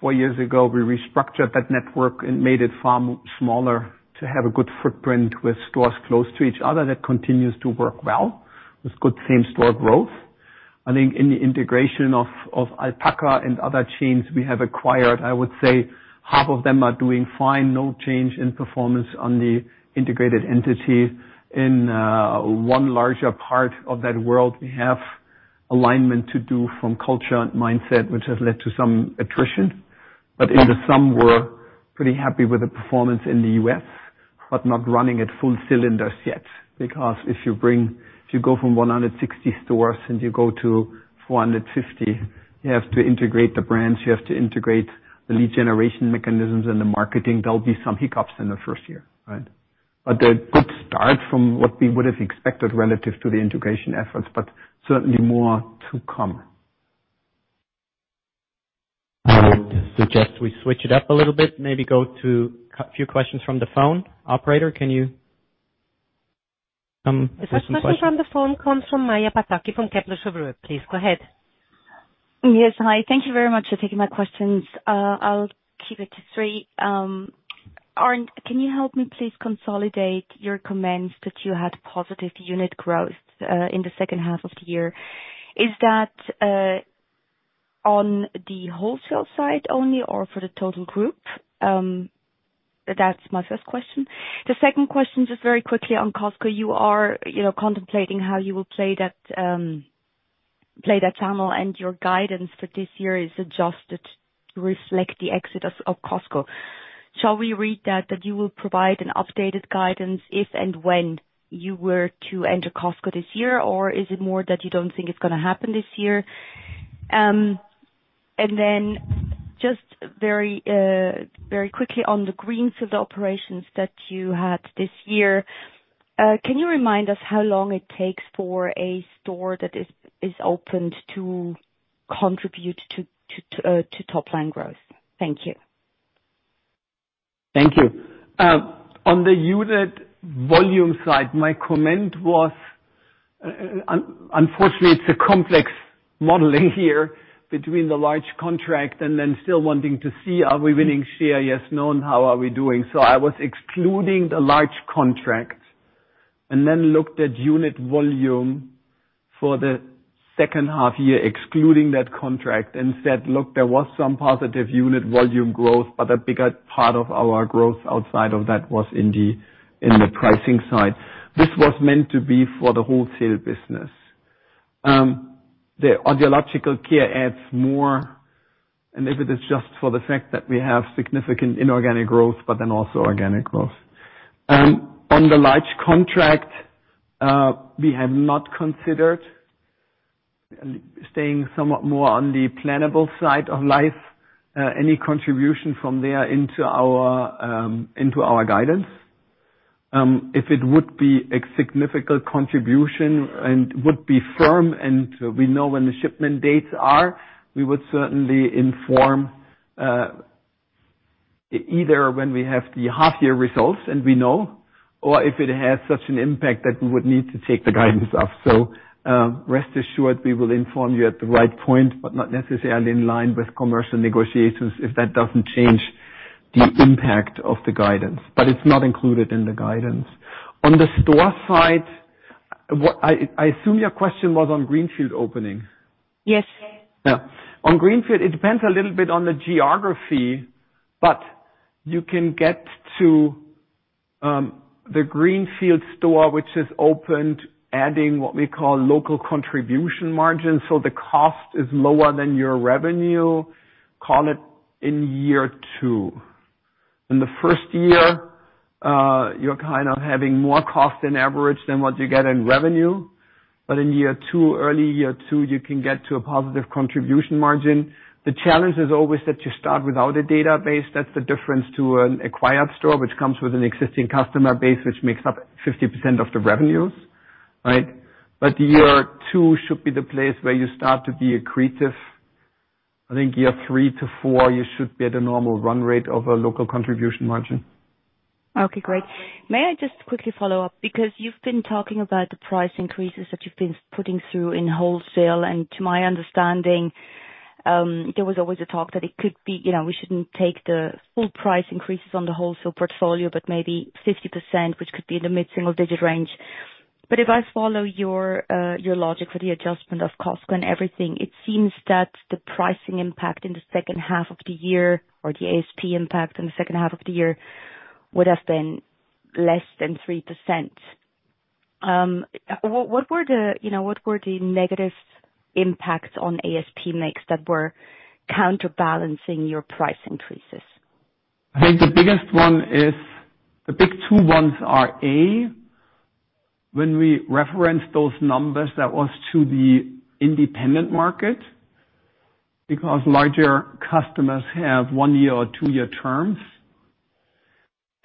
4 years ago, we restructured that network and made it far smaller to have a good footprint with stores close to each other. That continues to work well with good same-store growth. I think in the integration of Alpaca and other chains we have acquired, I would say half of them are doing fine, no change in performance on the integrated entity. In one larger part of that world, we have alignment to do from culture and mindset, which has led to some attrition. In the sum, we're pretty happy with the performance in the U.S., but not running at full cylinders yet. If you go from 160 stores and you go to 450, you have to integrate the brands, you have to integrate the lead generation mechanisms and the marketing. There'll be some hiccups in the first year, right? A good start from what we would have expected relative to the integration efforts, but certainly more to come. I would suggest we switch it up a little bit, maybe go to a few questions from the phone. Operator, can you take some questions? The first question from the phone comes from Maja Pataki from Kepler Cheuvreux. Please go ahead. Yes. Hi. Thank you very much for taking my questions. I'll keep it to three. Arne, can you help me, please, consolidate your comments that you had positive unit growth in the second half of the year. Is that on the wholesale side only or for the total group? That's my first question. The second question, just very quickly on Costco. You are, you know, contemplating how you will play that channel and your guidance for this year is adjusted to reflect the exit of Costco. Shall we read that you will provide an updated guidance if and when you were to enter Costco this year, or is it more that you don't think it's gonna happen this year? Then just very, very quickly on the greenfield operations that you had this year, can you remind us how long it takes for a store that is opened to contribute to top-line growth? Thank you. Thank you. On the unit volume side, my comment was, unfortunately, it's a complex modeling here between the large contract and then still wanting to see, are we winning share, yes, no, and how are we doing? I was excluding the large contract and then looked at unit volume for the second half year, excluding that contract, and said, "Look, there was some positive unit volume growth, but a bigger part of our growth outside of that was in the, in the pricing side." This was meant to be for the wholesale business. The Audiological Care adds more, and if it is just for the fact that we have significant inorganic growth but then also organic growth. On the large contract, we have not considered staying somewhat more on the plannable side of life, any contribution from there into our guidance. If it would be a significant contribution and would be firm, and we know when the shipment dates are, we would certainly inform either when we have the half-year results and we know, or if it has such an impact that we would need to take the guidance up. Rest assured we will inform you at the right point, but not necessarily in line with commercial negotiations if that doesn't change the impact of the guidance, but it's not included in the guidance. On the store side, I assume your question was on greenfield opening. Yes. Yeah. On greenfield, it depends a little bit on the geography, but you can get to the greenfield store, which is opened, adding what we call local contribution margin, so the cost is lower than your revenue, call it in year two. In the first year, you're kind of having more cost than average than what you get in revenue. In year two, early year two, you can get to a positive contribution margin. The challenge is always that you start without a database. That's the difference to an acquired store, which comes with an existing customer base, which makes up 50% of the revenues, right? Year two should be the place where you start to be accretive. I think year three to four, you should be at a normal run rate of a local contribution margin. Okay, great. May I just quickly follow up, because you've been talking about the price increases that you've been putting through in wholesale, and to my understanding, there was always a talk that it could be, you know, we shouldn't take the full price increases on the wholesale portfolio, but maybe 50%, which could be in the mid-single digit range. If I follow your logic for the adjustment of Costco and everything, it seems that the pricing impact in the second half of the year or the ASP impact in the second half of the year would have been less than 3%. What, what were the, you know, what were the negative impacts on ASP mix that were counterbalancing your price increases? The big two ones are, A, when we referenced those numbers, that was to the independent market, because larger customers have one-year or two-year terms.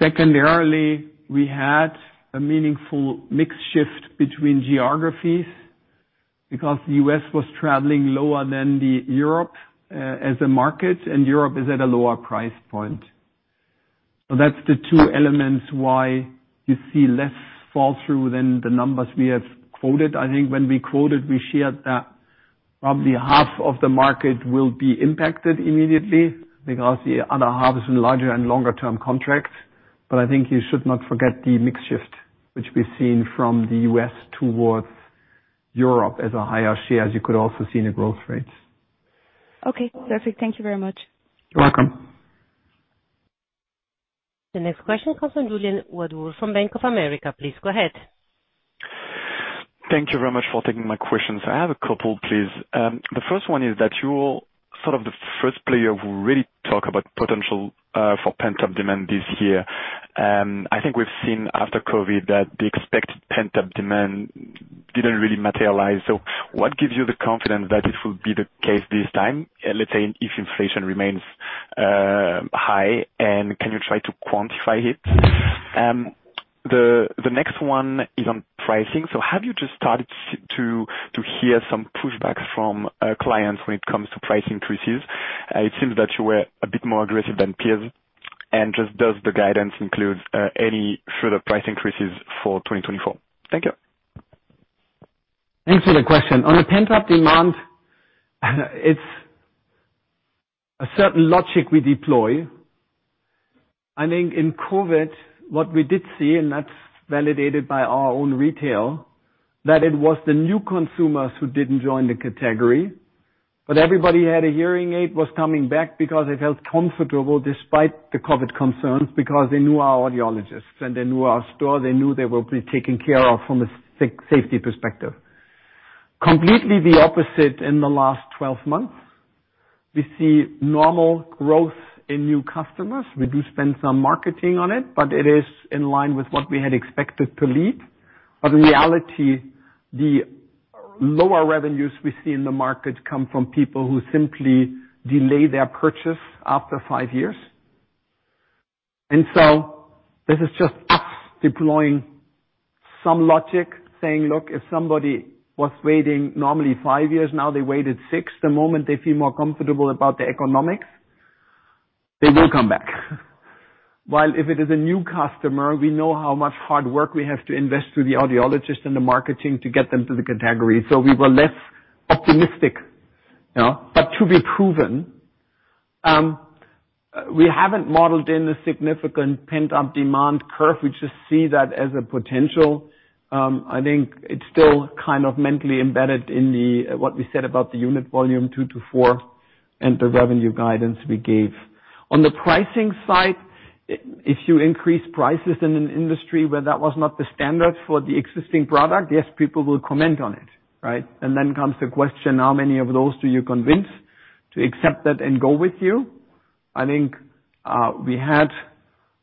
We had a meaningful mix shift between geographies because the U.S. was traveling lower than Europe as a market, and Europe is at a lower price point. That's the two elements why you see less fall through than the numbers we have quoted. I think when we quoted, we shared that probably half of the market will be impacted immediately because the other half is in larger and longer term contracts. I think you should not forget the mix shift, which we're seeing from the U.S. towards Europe as a higher share, as you could also see in the growth rates. Okay, perfect. Thank you very much. You're welcome. The next question comes from Julien Ouaddour from Bank of America. Please go ahead. Thank you very much for taking my questions. I have a couple, please. The first one is that you're sort of the first player who really talk about potential for pent-up demand this year. I think we've seen after COVID that the expected pent-up demand didn't really materialize. What gives you the confidence that it will be the case this time, let's say if inflation remains. Can you try to quantify it? The next one is on pricing. Have you just started to hear some pushback from clients when it comes to price increases? It seems that you were a bit more aggressive than peers and does the guidance include any further price increases for 2024? Thank you. Thanks for the question. On a pent-up demand, it's a certain logic we deploy. I think in COVID, what we did see, and that's validated by our own retail, that it was the new consumers who didn't join the category, but everybody who had a hearing aid was coming back because they felt comfortable despite the COVID concerns, because they knew our audiologists and they knew our store, they knew they will be taken care of from a safety perspective. Completely the opposite in the last 12 months. We see normal growth in new customers. We do spend some marketing on it, but it is in line with what we had expected to lead. In reality, the lower revenues we see in the market come from people who simply delay their purchase after five years. So this is just us deploying some logic saying, "Look, if somebody was waiting normally five years, now they waited six, the moment they feel more comfortable about the economics, they will come back." While if it is a new customer, we know how much hard work we have to invest through the audiologist and the marketing to get them to the category. So we were less optimistic, you know. To be proven, we haven't modeled in a significant pent-up demand curve. We just see that as a potential. I think it's still kind of mentally embedded in the what we said about the unit volume 2-4 and the revenue guidance we gave. On the pricing side, if you increase prices in an industry where that was not the standard for the existing product, yes, people will comment on it, right? Then comes the question, how many of those do you convince to accept that and go with you? I think we had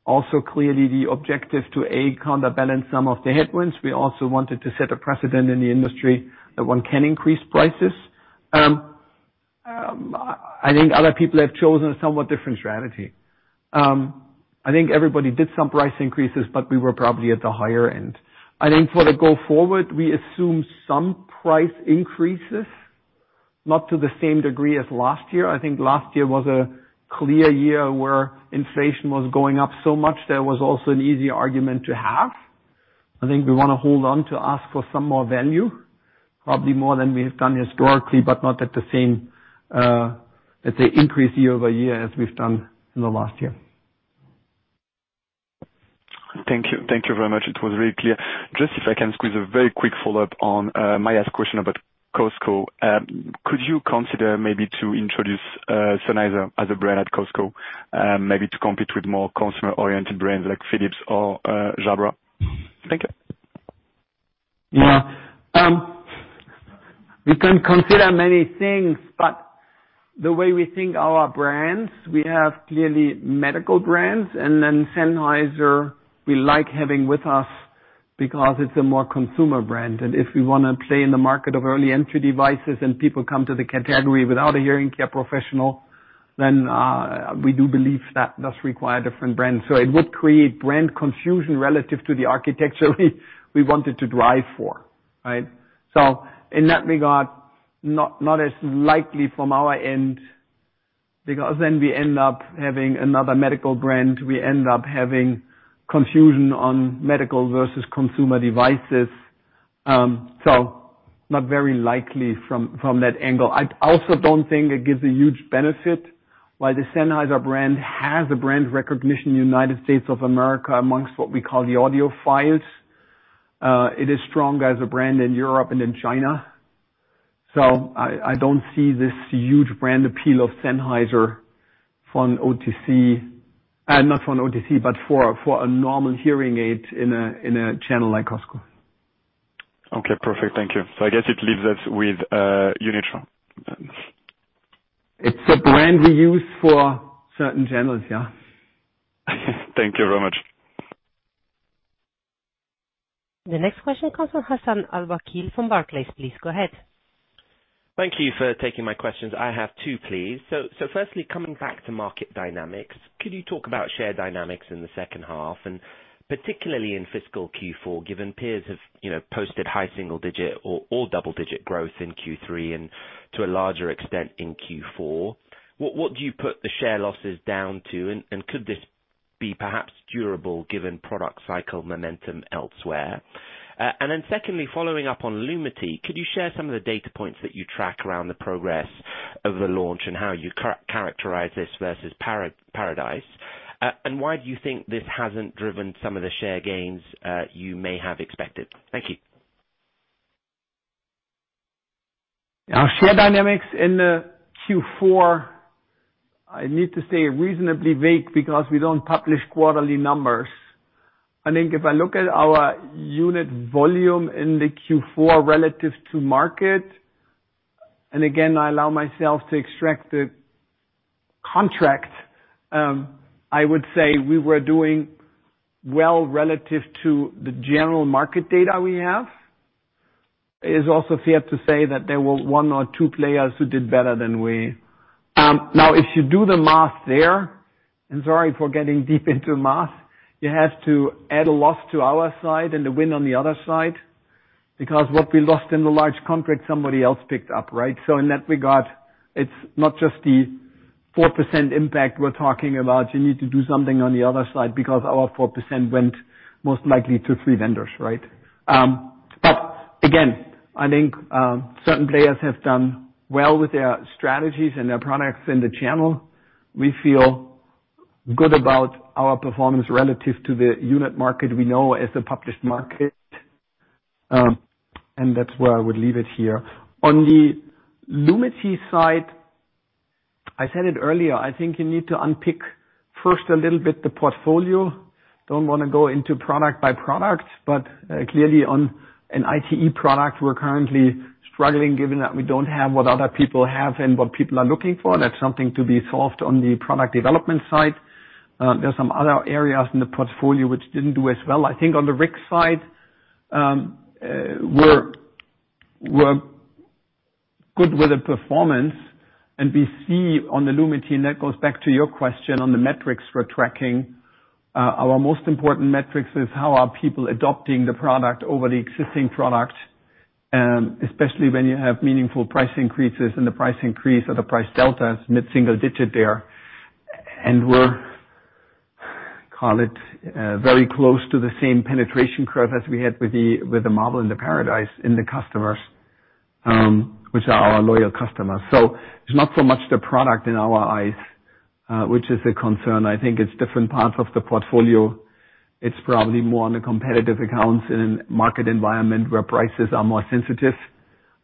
also clearly the objective to, A, counterbalance some of the headwinds. We also wanted to set a precedent in the industry that one can increase prices. I think other people have chosen a somewhat different strategy. I think everybody did some price increases, but we were probably at the higher end. I think for the go forward, we assume some price increases, not to the same degree as last year. I think last year was a clear year where inflation was going up so much that it was also an easy argument to have. I think we wanna hold on to ask for some more value, probably more than we have done historically, but not at the same, let's say, increase year over year as we've done in the last year. Thank you. Thank you very much. It was really clear. Just if I can squeeze a very quick follow-up on Maja's question about Costco. Could you consider maybe to introduce Sennheiser as a brand at Costco, maybe to compete with more consumer-oriented brands like Philips or Jabra? Thank you. Yeah. We can consider many things. The way we think our brands, we have clearly medical brands. Then Sennheiser we like having with us because it's a more consumer brand. If we wanna play in the market of early entry devices and people come to the category without a hearing care professional, then, we do believe that does require a different brand. It would create brand confusion relative to the architecture we wanted to drive for, right? In that regard, not as likely from our end, because then we end up having another medical brand. We end up having confusion on medical versus consumer devices. Not very likely from that angle. I also don't think it gives a huge benefit. While the Sennheiser brand has a brand recognition in the United States of America amongst what we call the audiophiles, it is strong as a brand in Europe and in China. I don't see this huge brand appeal of Sennheiser from OTC. Not from OTC, but for a normal hearing aid in a channel like Costco. Okay, perfect. Thank you. I guess it leaves us with Unitron. It's a brand we use for certain channels, yeah. Thank you very much. The next question comes from Hassan Al-Wakeel from Barclays. Please go ahead. Thank you for taking my questions. I have two, please. Firstly, coming back to market dynamics, could you talk about share dynamics in the second half, and particularly in fiscal Q4, given peers have, you know, posted high single-digit or double-digit growth in Q3 and to a larger extent in Q4. What do you put the share losses down to? And could this be perhaps durable given product cycle momentum elsewhere? Secondly, following up on Lumity, could you share some of the data points that you track around the progress of the launch and how you characterize this versus Paradise? Why do you think this hasn't driven some of the share gains you may have expected? Thank you. Our share dynamics in the Q4, I need to stay reasonably vague because we don't publish quarterly numbers. I think if I look at our unit volume in the Q4 relative to market, and again, I allow myself to extract the contract, I would say we were doing well relative to the general market data we have. It is also fair to say that there were one or two players who did better than we. If you do the math there, and sorry for getting deep into math, you have to add a loss to our side and the win on the other side, because what we lost in the large contract, somebody else picked up, right? In that regard, it's not just the 4% impact we're talking about. You need to do something on the other side because our 4% went most likely to three vendors, right? Again, I think certain players have done well with their strategies and their products in the channel. We feel good about our performance relative to the unit market we know as the published market, and that's where I would leave it here. On the Lumity side, I said it earlier, I think you need to unpick first a little bit the portfolio. Don't wanna go into product by product, but clearly on an IT product, we're currently struggling, given that we don't have what other people have and what people are looking for. That's something to be solved on the product development side. There's some other areas in the portfolio which didn't do as well. I think on the risk side, we're good with the performance, and we see on the Lumity, and that goes back to your question on the metrics we're tracking. Our most important metrics is how are people adopting the product over the existing product, especially when you have meaningful price increases, and the price increase or the price delta is mid-single digit there. We're, call it, very close to the same penetration curve as we had with the model in the Paradise in the customers, which are our loyal customers. It's not so much the product in our eyes, which is a concern. I think it's different parts of the portfolio. It's probably more on the competitive accounts in market environment where prices are more sensitive,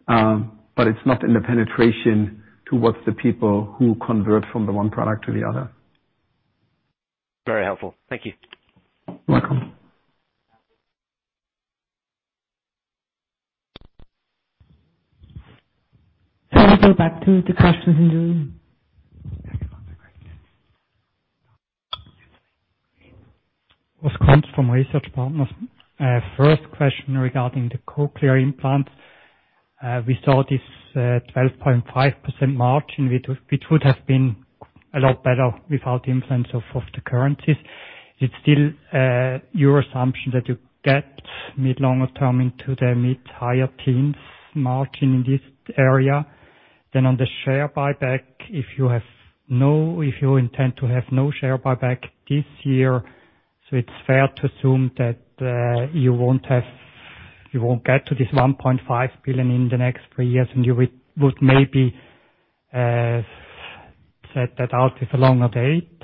but it's not in the penetration towards the people who convert from the one product to the other. Very helpful. Thank you. Welcome. Can we go back to the questions in the room? Next one, the question. It was Christoph Gretler from Research Partners. First question regarding the cochlear implant. We saw this 12.5% margin, which would have been a lot better without the influence of the currencies. It's still your assumption that you get mid longer term into the mid higher teens margin in this area? On the share buyback, if you intend to have no share buyback this year, it's fair to assume that you won't get to this 1.5 billion in the next three years, and you would maybe set that out with a longer date?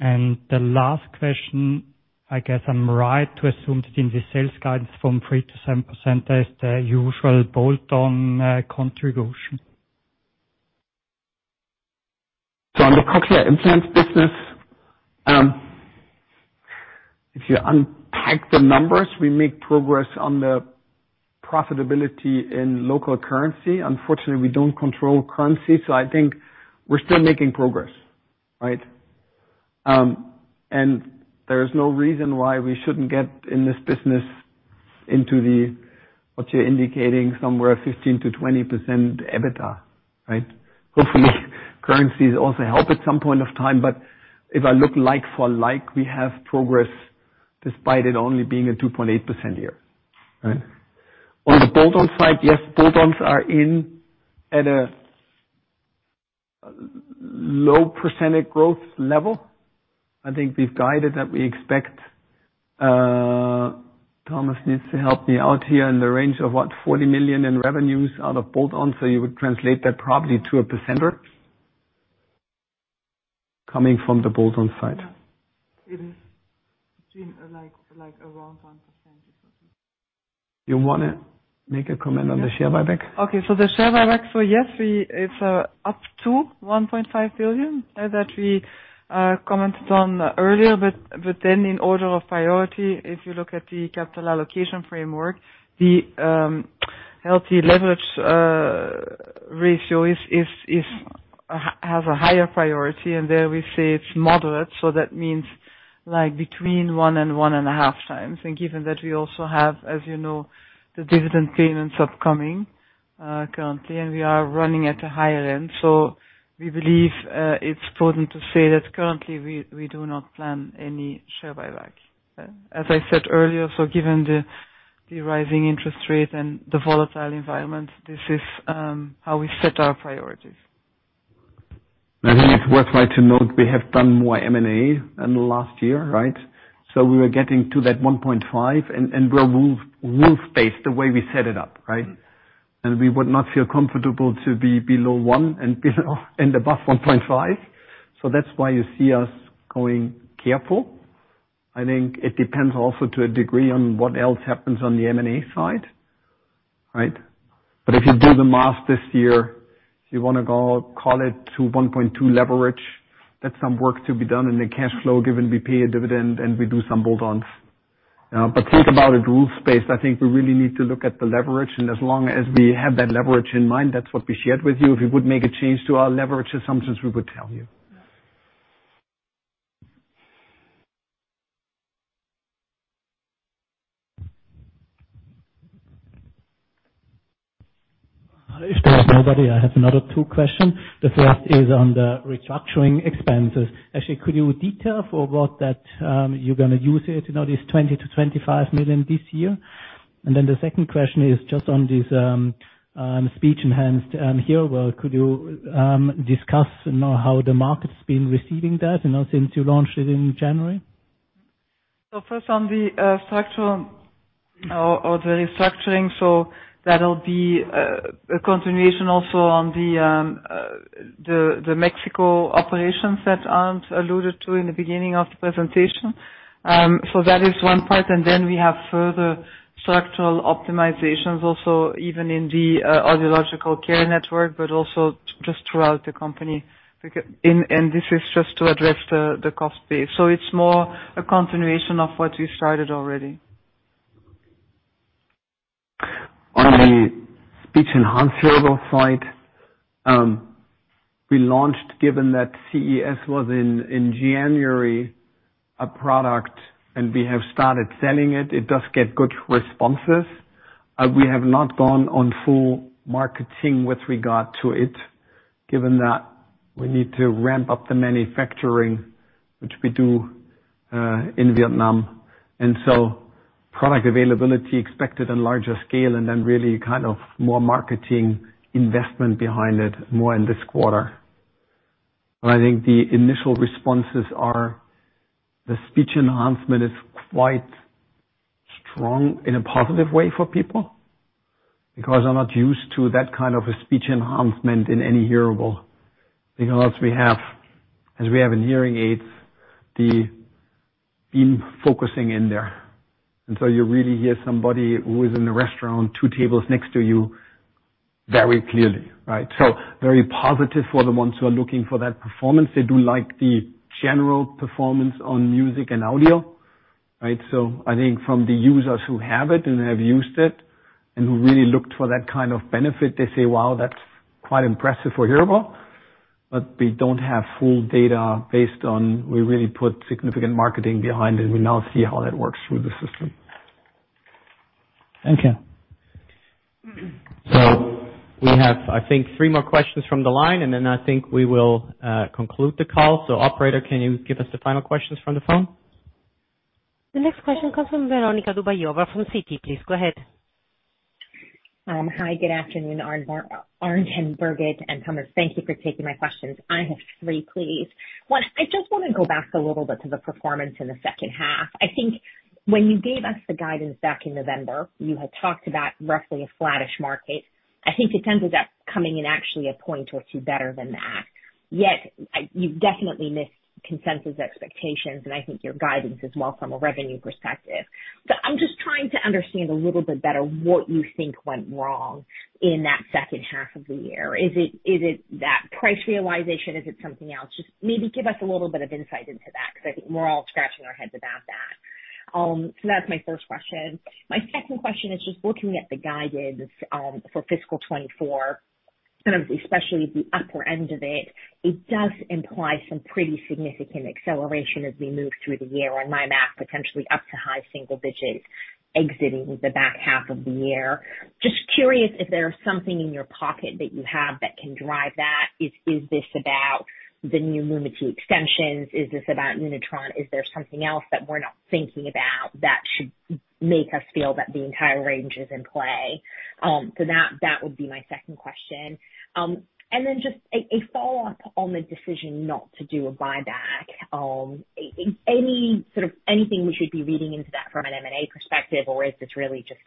The last question, I guess I'm right to assume that in the sales guidance from 3%-7%, there's the usual bolt-on contribution? On the cochlear implants business, if you unpack the numbers, we make progress on the profitability in local currency. Unfortunately, we don't control currency, so I think we're still making progress, right? There is no reason why we shouldn't get in this business into the, what you're indicating, somewhere 15%-20% EBITDA, right? Hopefully, currencies also help at some point of time. If I look like for like, we have progress despite it only being a 2.8% year, right? On the bolt-on side, yes, bolt-ons are in at a low percentage growth level. I think we've guided that we expect, Thomas needs to help me out here in the range of what? 40 million in revenues out of bolt-ons. You would translate that probably to a percenter coming from the bolt-on side. It is between like around 1%. You wanna make a comment on the share buyback? Okay. The share buyback, yes, it's up to 1.5 billion that we commented on earlier. In order of priority, if you look at the capital allocation framework, the healthy leverage ratio is a higher priority, and there we say it's moderate. That means like between 1 and 1.5 times. Given that we also have, as you know, the dividend payments upcoming currently, and we are running at a higher end. We believe it's prudent to say that currently we do not plan any share buyback. As I said earlier, given the rising interest rate and the volatile environment, this is how we set our priorities. I think it's worthwhile to note we have done more M&A in the last year, right? We were getting to that 1.5 and we're rule-based the way we set it up, right? We would not feel comfortable to be below 1 and below and above 1.5. That's why you see us going careful. I think it depends also to a degree on what else happens on the M&A side, right? If you do the math this year, if you wanna go call it to 1.2 leverage, that's some work to be done in the cash flow, given we pay a dividend and we do some bolt-ons. Think about it rule-based. I think we really need to look at the leverage, as long as we have that leverage in mind, that's what we shared with you. If we would make a change to our leverage assumptions, we would tell you. If there's nobody, I have another two question. The first is on the restructuring expenses. Actually, could you detail for what that you're gonna use it, you know, this 20 million-25 million this year? The second question is just on this Speech-Enhanced Hearable. Could you discuss, you know, how the market's been receiving that, you know, since you launched it in January? First on the structural or the restructuring, that'll be a continuation also on the Mexico operations that Arnd alluded to in the beginning of the presentation. That is one part. We have further structural optimizations also even in the audiological care network, but also just throughout the company. This is just to address the cost base. It's more a continuation of what we started already. On the Speech-Enhanced Hearable side, we launched, given that CES was in January, a product, and we have started selling it. It does get good responses. We have not gone on full marketing with regard to it, given that we need to ramp up the manufacturing, which we do in Vietnam. Product availability expected in larger scale and then really kind of more marketing investment behind it more in this quarter. I think the initial responses are the speech enhancement is quite strong in a positive way for people because they're not used to that kind of a speech enhancement in any hearable. We have, as we have in hearing aids, the beam focusing in there. You really hear somebody who is in the restaurant two tables next to you very clearly, right? Very positive for the ones who are looking for that performance. They do like the general performance on music and audio, right? I think from the users who have it and have used it and who really looked for that kind of benefit, they say, "Wow, that's quite impressive for Hearable." We don't have full data based on we really put significant marketing behind it. We now see how that works through the system. Thank you. We have, I think, 3 more questions from the line, and then I think we will conclude the call. Operator, can you give us the final questions from the phone? The next question comes from Veronika Dubajova from Citi. Please go ahead. Hi, good afternoon, Arnd and Birgit and Thomas, thank you for taking my questions. I have three, please. One, I just wanna go back a little bit to the performance in the second half. I think when you gave us the guidance back in November, you had talked about roughly a flattish market. I think it ended up coming in actually a point or two better than that. Yet, you definitely missed consensus expectations and I think your guidance as well from a revenue perspective. I'm just trying to understand a little bit better what you think went wrong in that second half of the year. Is it that price realization? Is it something else? Just maybe give us a little bit of insight into that, 'cause I think we're all scratching our heads about that. That's my first question. My second question is just looking at the guidance for fiscal 2024. Especially the upper end of it does imply some pretty significant acceleration as we move through the year, on my math, potentially up to high single digits exiting the back half of the year. Just curious if there's something in your pocket that you have that can drive that. Is this about the new Lumity extensions? Is this about Unitron? Is there something else that we're not thinking about that should make us feel that the entire range is in play? That would be my second question. Just a follow-up on the decision not to do a buyback. Any sort of anything we should be reading into that from an M&A perspective, or is this really just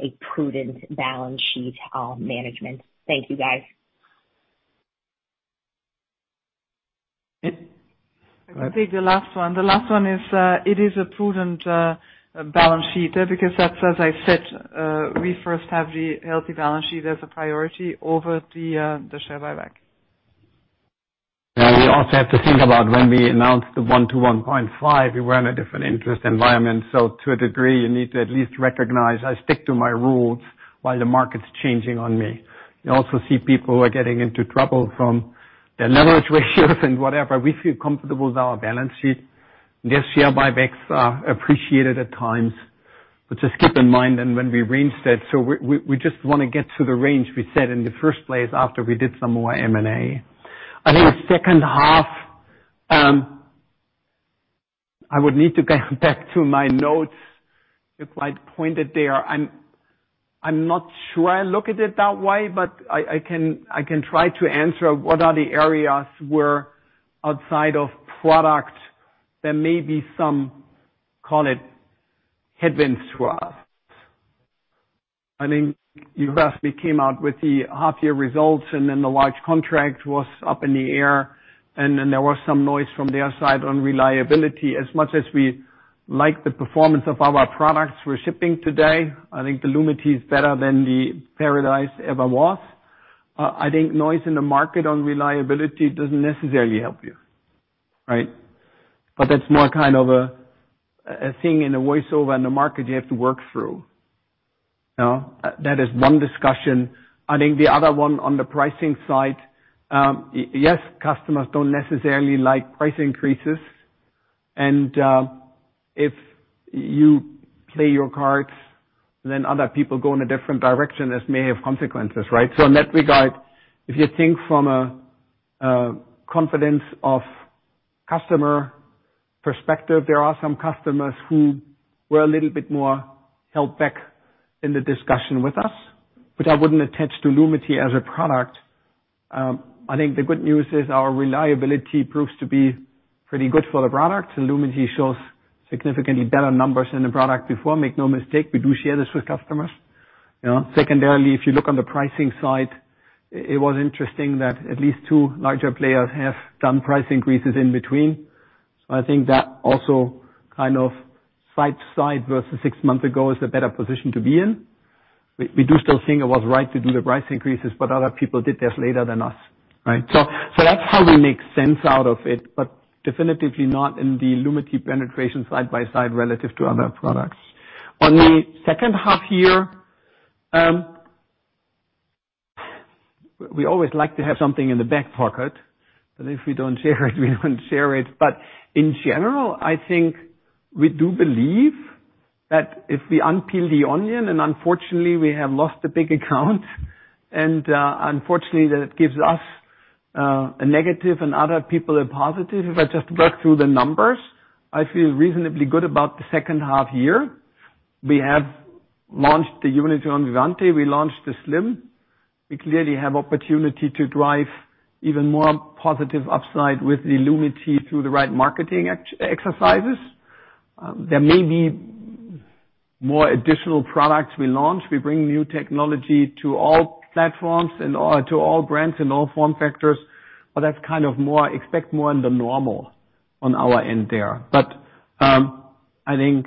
a prudent balance sheet management? Thank you, guys. It- I can take the last one. The last one is, it is a prudent, balance sheet, because that's as I said, we first have the healthy balance sheet as a priority over the share buyback. Yeah. We also have to think about when we announced the 1-1.5, we were in a different interest environment. To a degree, you need to at least recognize I stick to my rules while the market's changing on me. You also see people who are getting into trouble from their leverage ratios and whatever. We feel comfortable with our balance sheet, and the share buybacks are appreciated at times. Just keep in mind then when we range that, so we just wanna get to the range we set in the first place after we did some more M&A. I think the second half, I would need to go back to my notes. You quite pointed there. I'm not sure I look at it that way, but I can try to answer what are the areas where outside of product there may be some, call it headwinds for us. I think you asked me, came out with the half-year results and then the large contract was up in the air, and then there was some noise from their side on reliability. As much as we like the performance of our products we're shipping today, I think the Lumity is better than the Paradise ever was. I think noise in the market on reliability doesn't necessarily help you, right? But that's more kind of a thing in the voice-over in the market you have to work through. That is one discussion. I think the other one on the pricing side, yes, customers don't necessarily like price increases and if you play your cards, then other people go in a different direction, this may have consequences, right? In that regard, if you think from a confidence of customer perspective, there are some customers who were a little bit more held back in the discussion with us, which I wouldn't attach to Lumity as a product. I think the good news is our reliability proves to be pretty good for the product, and Lumity shows significantly better numbers than the product before. Make no mistake, we do share this with customers, you know. Secondarily, if you look on the pricing side, it was interesting that at least two larger players have done price increases in between. I think that also kind of side to side versus six months ago is a better position to be in. We do still think it was right to do the price increases, but other people did this later than us, right? That's how we make sense out of it, but definitively not in the Lumity penetration side by side relative to other products. On the second half year, we always like to have something in the back pocket, but if we don't share it, we don't share it. In general, I think we do believe that if we unpeel the onion, and unfortunately we have lost a big account, and unfortunately that it gives us a negative and other people a positive. If I just work through the numbers, I feel reasonably good about the second half year. We have launched the Unitron Vivante. We launched the Slim. We clearly have opportunity to drive even more positive upside with the Lumity through the right marketing exercises. There may be more additional products we launch. We bring new technology to all platforms and to all brands and all form factors, that's kind of more, expect more in the normal on our end there. I think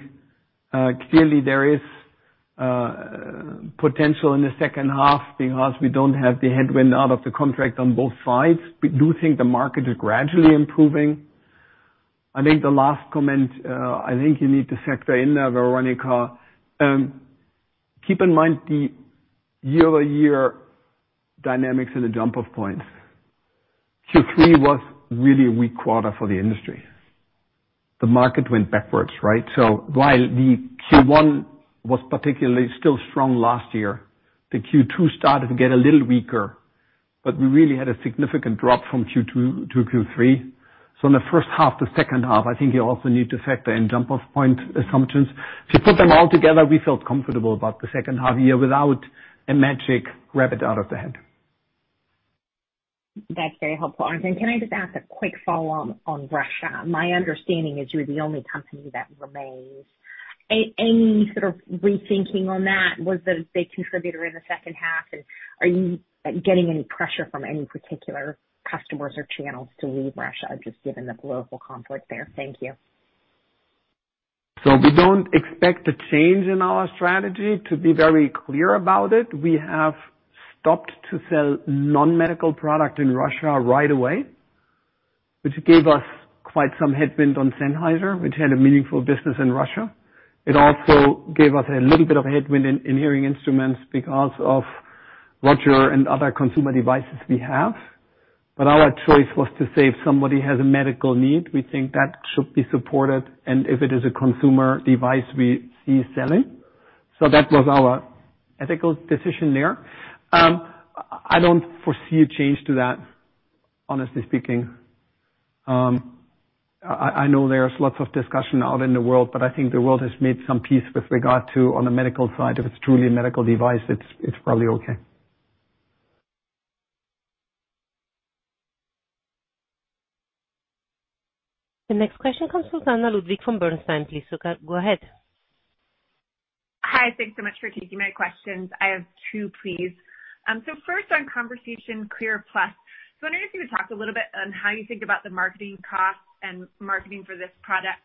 clearly there is potential in the second half because we don't have the headwind out of the contract on both sides. We do think the market is gradually improving. I think the last comment, I think you need to factor in there, Veronica. Keep in mind the year-over-year dynamics and the jump off points. Q3 was really a weak quarter for the industry. The market went backwards, right? While the Q1 was particularly still strong last year, the Q2 started to get a little weaker, but we really had a significant drop from Q2-Q3. In the first half to second half, I think you also need to factor in jump off point assumptions. If you put them all together, we felt comfortable about the second half year without a magic rabbit out of the head. That's very helpful, Arnd. Can I just ask a quick follow on Russia? My understanding is you're the only company that remains. Any sort of rethinking on that? Was that a big contributor in the second half? Are you getting any pressure from any particular customers or channels to leave Russia, just given the political conflict there? Thank you. We don't expect a change in our strategy to be very clear about it. We have stopped to sell non-medical product in Russia right away, which gave us quite some headwind on Sennheiser, which had a meaningful business in Russia. It also gave us a little bit of a headwind in hearing instruments because of Roger and other consumer devices we have. Our choice was to say if somebody has a medical need, we think that should be supported, and if it is a consumer device, we cease selling. That was our ethical decision there. I don't foresee a change to that, honestly speaking. I know there's lots of discussion out in the world, but I think the world has made some peace with regard to on the medical side. If it's truly a medical device, it's probably okay. The next question comes from Lisa Clive from Bernstein. Please go ahead. Hi. Thanks so much for taking my questions. I have two, please. First on Conversation Clear Plus. I wonder if you would talk a little bit on how you think about the marketing costs and marketing for this product.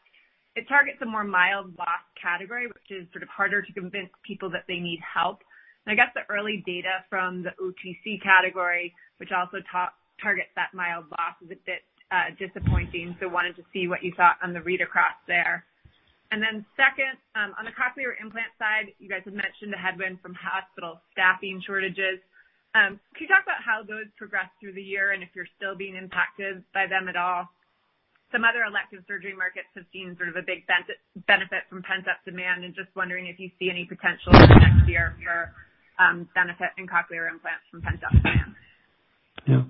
It targets a more mild loss category, which is sort of harder to convince people that they need help. I guess the early data from the OTC category, which also targets that mild loss, is a bit disappointing. Wanted to see what you thought on the read across there. Then second, on the cochlear implant side, you guys have mentioned the headwind from hospital staffing shortages. Can you talk about how those progressed through the year and if you're still being impacted by them at all? Some other elective surgery markets have seen sort of a big benefit from pent-up demand. Just wondering if you see any potential next year for benefit in cochlear implants from pent-up demand? Yeah.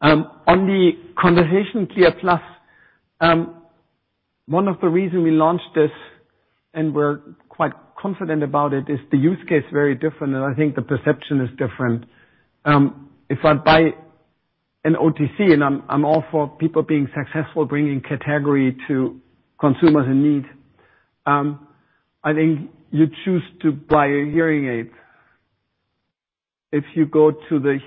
On the Conversation Clear Plus, one of the reason we launched this and we're quite confident about it is the use case is very different, and I think the perception is different. If I buy an OTC and I'm all for people being successful bringing category to consumers in need, I think you choose to buy a hearing aid. If you go to the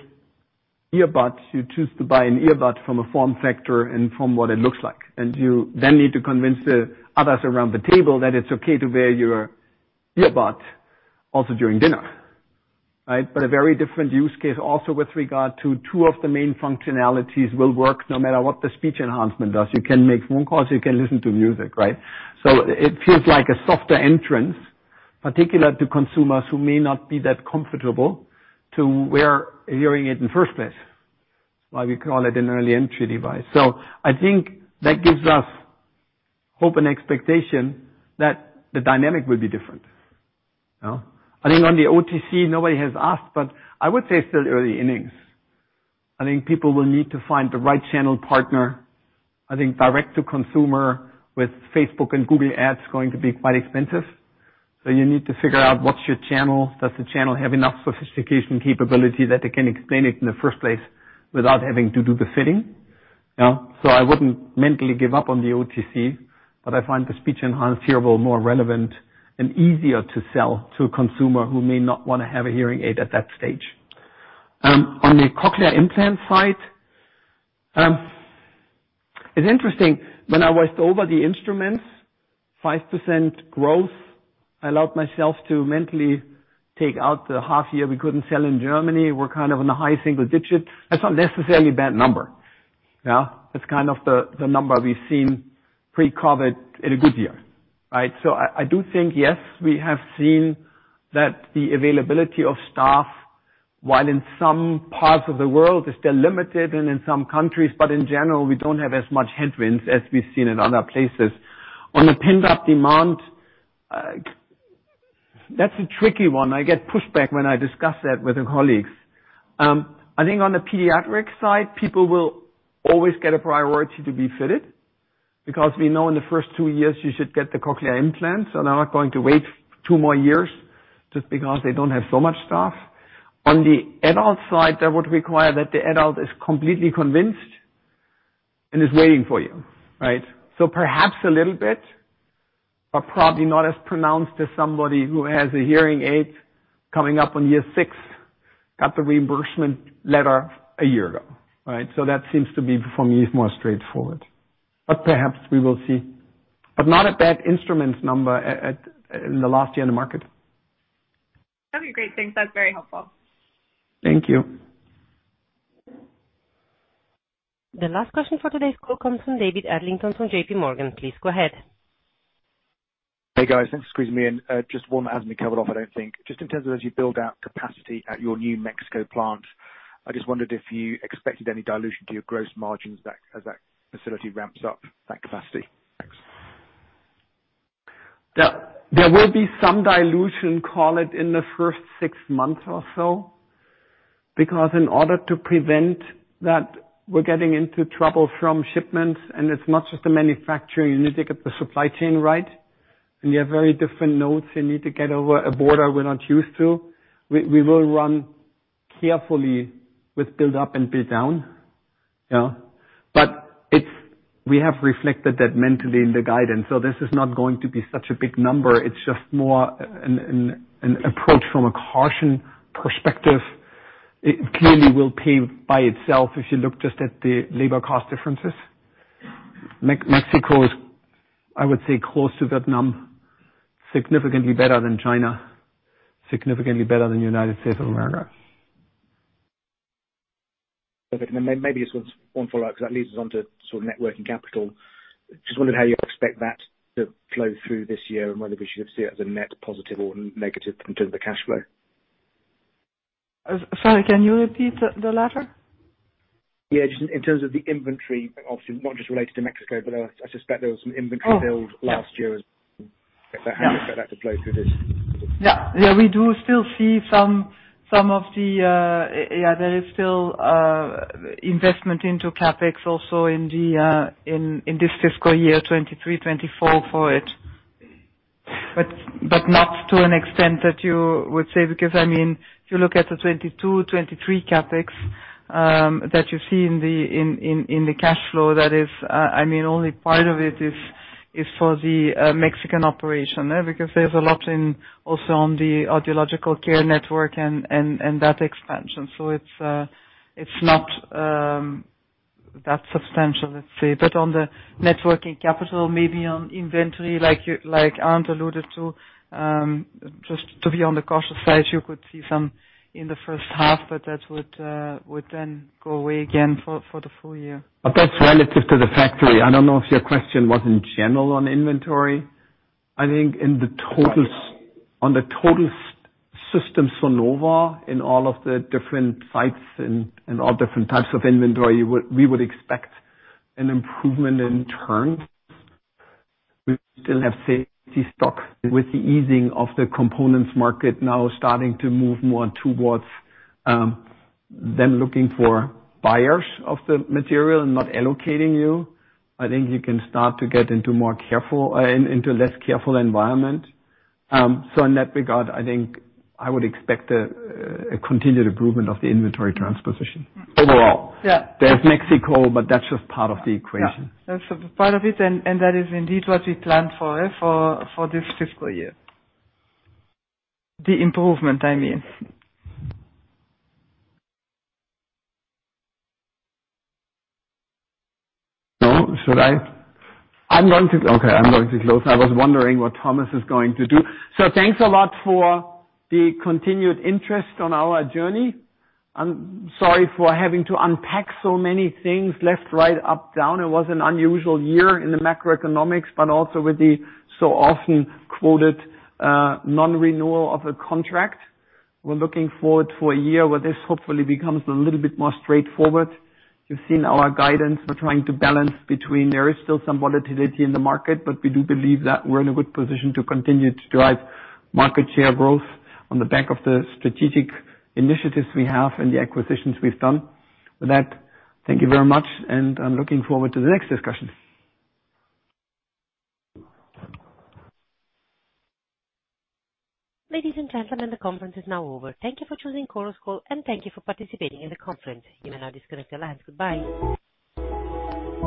earbuds, you choose to buy an earbud from a form factor and from what it looks like, and you then need to convince the others around the table that it's okay to wear your earbud also during dinner. Right? A very different use case also with regard to two of the main functionalities will work no matter what the speech enhancement does. You can make phone calls, you can listen to music, right? It feels like a softer entrance, particular to consumers who may not be that comfortable to wear a hearing aid in the first place, why we call it an early entry device. I think that gives us hope and expectation that the dynamic will be different. You know? I think on the OTC, nobody has asked, but I would say it's still early innings. I think people will need to find the right channel partner. I think direct to consumer with Facebook and Google Ads is going to be quite expensive. You need to figure out what's your channel. Does the channel have enough sophistication capability that they can explain it in the first place without having to do the fitting? You know? I wouldn't mentally give up on the OTC, but I find the speech enhancer more relevant and easier to sell to a consumer who may not wanna have a hearing aid at that stage. On the cochlear implant side, it's interesting, when I was over the instruments, 5% growth, I allowed myself to mentally take out the half year we couldn't sell in Germany. We're kind of in the high single digit. That's not necessarily a bad number. It's kind of the number we've seen pre-COVID in a good year, right? I do think, yes, we have seen that the availability of staff, while in some parts of the world is still limited and in some countries, but in general, we don't have as much headwinds as we've seen in other places. On the pent-up demand, that's a tricky one. I get pushback when I discuss that with the colleagues. I think on the pediatric side, people will always get a priority to be fitted because we know in the first two years you should get the cochlear implants, and they're not going to wait two more years just because they don't have so much staff. On the adult side, that would require that the adult is completely convinced and is waiting for you, right? Perhaps a little bit, but probably not as pronounced as somebody who has a hearing aid coming up on year six, got the reimbursement letter a year ago, right? That seems to be, for me, is more straightforward. Perhaps we will see. Not a bad instrument number at, in the last year in the market. Okay, great. Thanks. That's very helpful. Thank you. The last question for today's call comes from David Adlington from JP Morgan. Please go ahead. Hey, guys. Thanks for squeezing me in. Just one that hasn't been covered off, I don't think. Just in terms of as you build out capacity at your New Mexico plant, I just wondered if you expected any dilution to your gross margins that as that facility ramps up that capacity. Thanks. There will be some dilution, call it, in the first six months or so, because in order to prevent that, we're getting into trouble from shipments. It's not just the manufacturing, you need to get the supply chain right. You have very different nodes you need to get over a border we're not used to. We will run carefully with build up and build down. You know? We have reflected that mentally in the guidance. This is not going to be such a big number. It's just more an approach from a caution perspective. It clearly will pay by itself if you look just at the labor cost differences. Mexico is, I would say, close to Vietnam, significantly better than China, significantly better than United States of America. Okay. maybe just one follow-up, 'cause that leads us on to sort of networking capital. Just wondering how you expect that to flow through this year and whether we should see it as a net positive or negative in terms of the cash flow. Sorry, can you repeat the latter? Yeah, just in terms of the inventory, obviously not just related to Mexico, but I suspect there was some inventory- Oh. -built last year. Yeah. How you expect that to flow through this fiscal year? We do still see some of the. There is still investment into CapEx also in this fiscal year, 2023, 2024 for it. Not to an extent that you would say, because if you look at the 2022, 2023 CapEx that you see in the cash flow, that is only part of it is for the Mexican operation, because there's a lot also on the audiological care network and that expansion. It's not that substantial, let's say. On the networking capital, maybe on inventory, like Arnd alluded to, just to be on the cautious side, you could see some in the first half, but that would then go away again for the full year. That's relative to the factory. I don't know if your question was in general on inventory. I think in the totals- Right. On the total system, Sonova, in all of the different sites and all different types of inventory, we would expect an improvement in turn. We still have safety stock with the easing of the components market now starting to move more towards them looking for buyers of the material and not allocating you. I think you can start to get into less careful environment. In that regard, I think I would expect a continued improvement of the inventory transition overall. Yeah. There's Mexico, but that's just part of the equation. Yeah. That's part of it, and that is indeed what we planned for this fiscal year. The improvement, I mean. No? Should I? Okay, I'm going to close. I was wondering what Thomas is going to do. Thanks a lot for the continued interest on our journey. I'm sorry for having to unpack so many things left, right, up, down. It was an unusual year in the macroeconomics, also with the so often quoted non-renewal of a contract. We're looking forward for a year where this hopefully becomes a little bit more straightforward. You've seen our guidance. We're trying to balance between there is still some volatility in the market, we do believe that we're in a good position to continue to drive market share growth on the back of the strategic initiatives we have and the acquisitions we've done. With that, thank you very much, and I'm looking forward to the next discussion. Ladies and gentlemen, the conference is now over. Thank you for choosing Chorus Call, and thank you for participating in the conference. You may now disconnect your lines. Goodbye.